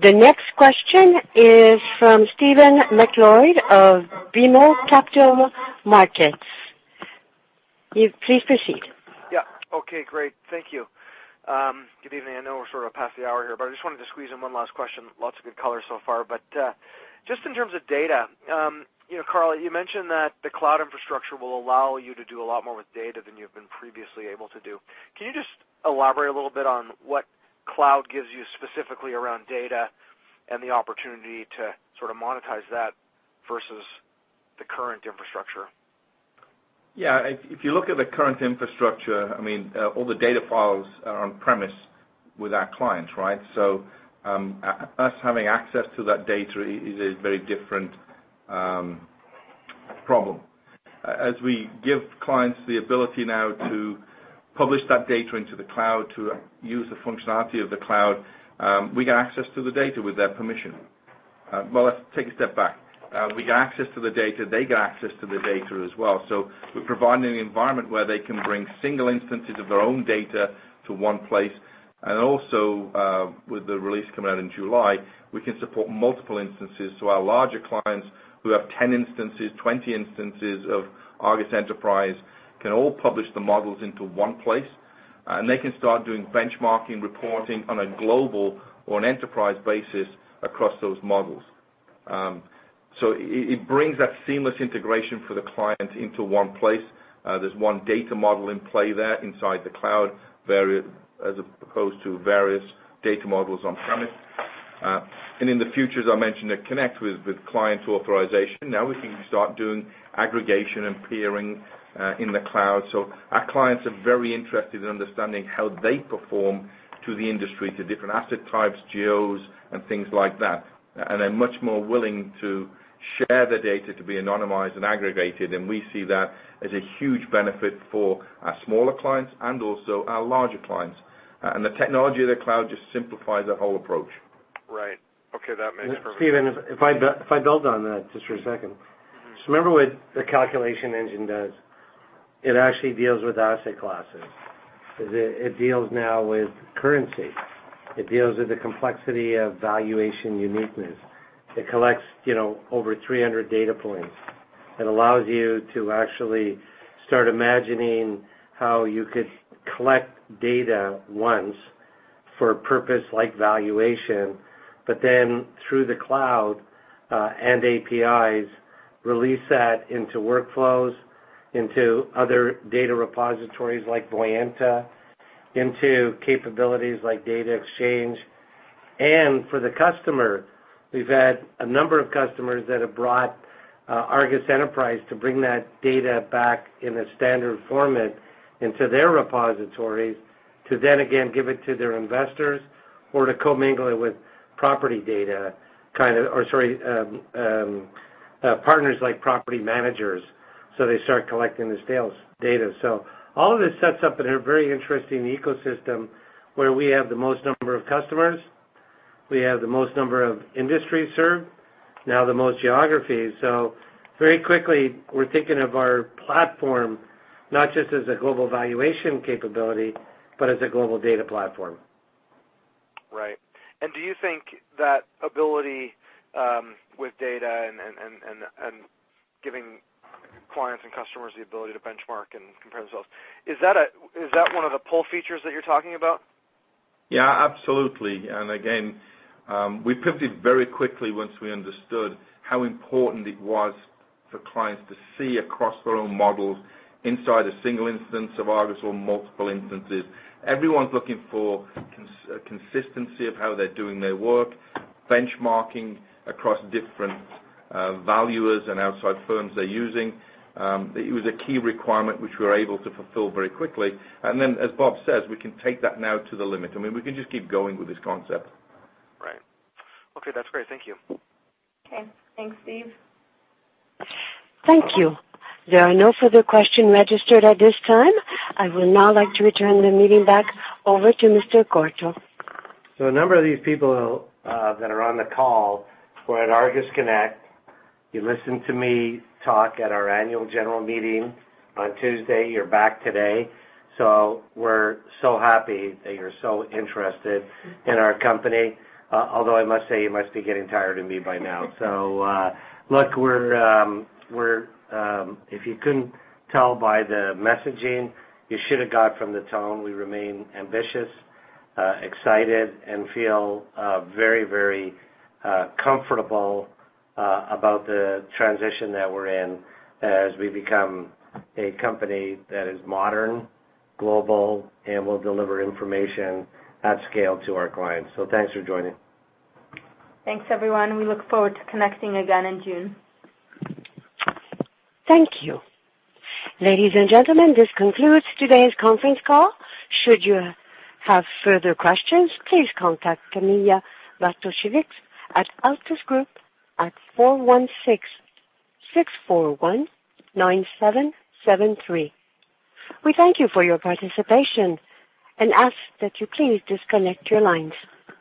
The next question is from Stephen MacLeod of BMO Capital Markets. Please proceed. Yeah. Okay, great. Thank you. Good evening. I know we're sort of past the hour here. I just wanted to squeeze in one last question. Lots of good color so far. Just in terms of data, Carl, you mentioned that the cloud infrastructure will allow you to do a lot more with data than you have been previously able to do. Can you just elaborate a little bit on what cloud gives you specifically around data and the opportunity to sort of monetize that versus the current infrastructure? Yeah. If you look at the current infrastructure, all the data files are on-premise with our clients, right? Us having access to that data is a very different problem. As we give clients the ability now to publish that data into the cloud, to use the functionality of the cloud, we get access to the data with their permission. Well, let's take a step back. We get access to the data, they get access to the data as well. We're providing an environment where they can bring single instances of their own data to one place. Also, with the release coming out in July, we can support multiple instances to our larger clients who have 10 instances, 20 instances of ARGUS Enterprise, can all publish the models into one place, and they can start doing benchmarking, reporting on a global or an enterprise basis across those models. It brings that seamless integration for the client into one place. There's one data model in play there inside the cloud, as opposed to various data models on-premise. In the future, as I mentioned, it connects with client authorization. Now we can start doing aggregation and peering in the cloud. Our clients are very interested in understanding how they perform to the industry, to different asset types, geos, and things like that. They're much more willing to share the data to be anonymized and aggregated, and we see that as a huge benefit for our smaller clients and also our larger clients. The technology of the cloud just simplifies that whole approach. Right. Okay. That makes perfect sense. Stephen, if I build on that just for a second. Remember what the calculation engine does, it actually deals with asset classes. It deals now with currency. It deals with the complexity of valuation uniqueness. It collects over 300 data points. It allows you to actually start imagining how you could collect data once For a purpose like valuation, but then through the cloud, and APIs, release that into workflows, into other data repositories like Voyanta, into capabilities like data exchange. For the customer, we've had a number of customers that have brought ARGUS Enterprise to bring that data back in a standard format into their repositories, to then again, give it to their investors or to commingle it with property data or sorry, partners like property managers, they start collecting this data. All of this sets up in a very interesting ecosystem where we have the most number of customers, we have the most number of industries served, now the most geographies. Very quickly, we're thinking of our platform not just as a global valuation capability, but as a global data platform. Right. Do you think that ability with data and giving clients and customers the ability to benchmark and compare themselves, is that one of the pull features that you're talking about? Yeah, absolutely. Again, we pivoted very quickly once we understood how important it was for clients to see across their own models inside a single instance of Argus or multiple instances. Everyone's looking for consistency of how they're doing their work, benchmarking across different valuers and outside firms they're using. It was a key requirement which we were able to fulfill very quickly. Then, as Bob says, we can take that now to the limit. We can just keep going with this concept. Right. Okay, that's great. Thank you. Okay. Thanks, Steve. Thank you. There are no further question registered at this time. I would now like to return the meeting back over to Mr. Courteau. A number of these people that are on the call were at Altus Connect. You listened to me talk at our annual general meeting on Tuesday. You're back today. We're so happy that you're so interested in our company. Although I must say, you must be getting tired of me by now. Look, if you couldn't tell by the messaging you should have got from the tone, we remain ambitious, excited, and feel very comfortable about the transition that we're in as we become a company that is modern, global, and will deliver information at scale to our clients. Thanks for joining. Thanks, everyone. We look forward to connecting again in June. Thank you. Ladies and gentlemen, this concludes today's conference call. Should you have further questions, please contact Camilla Bartosiewicz at Altus Group at 416-641-9773. We thank you for your participation and ask that you please disconnect your lines.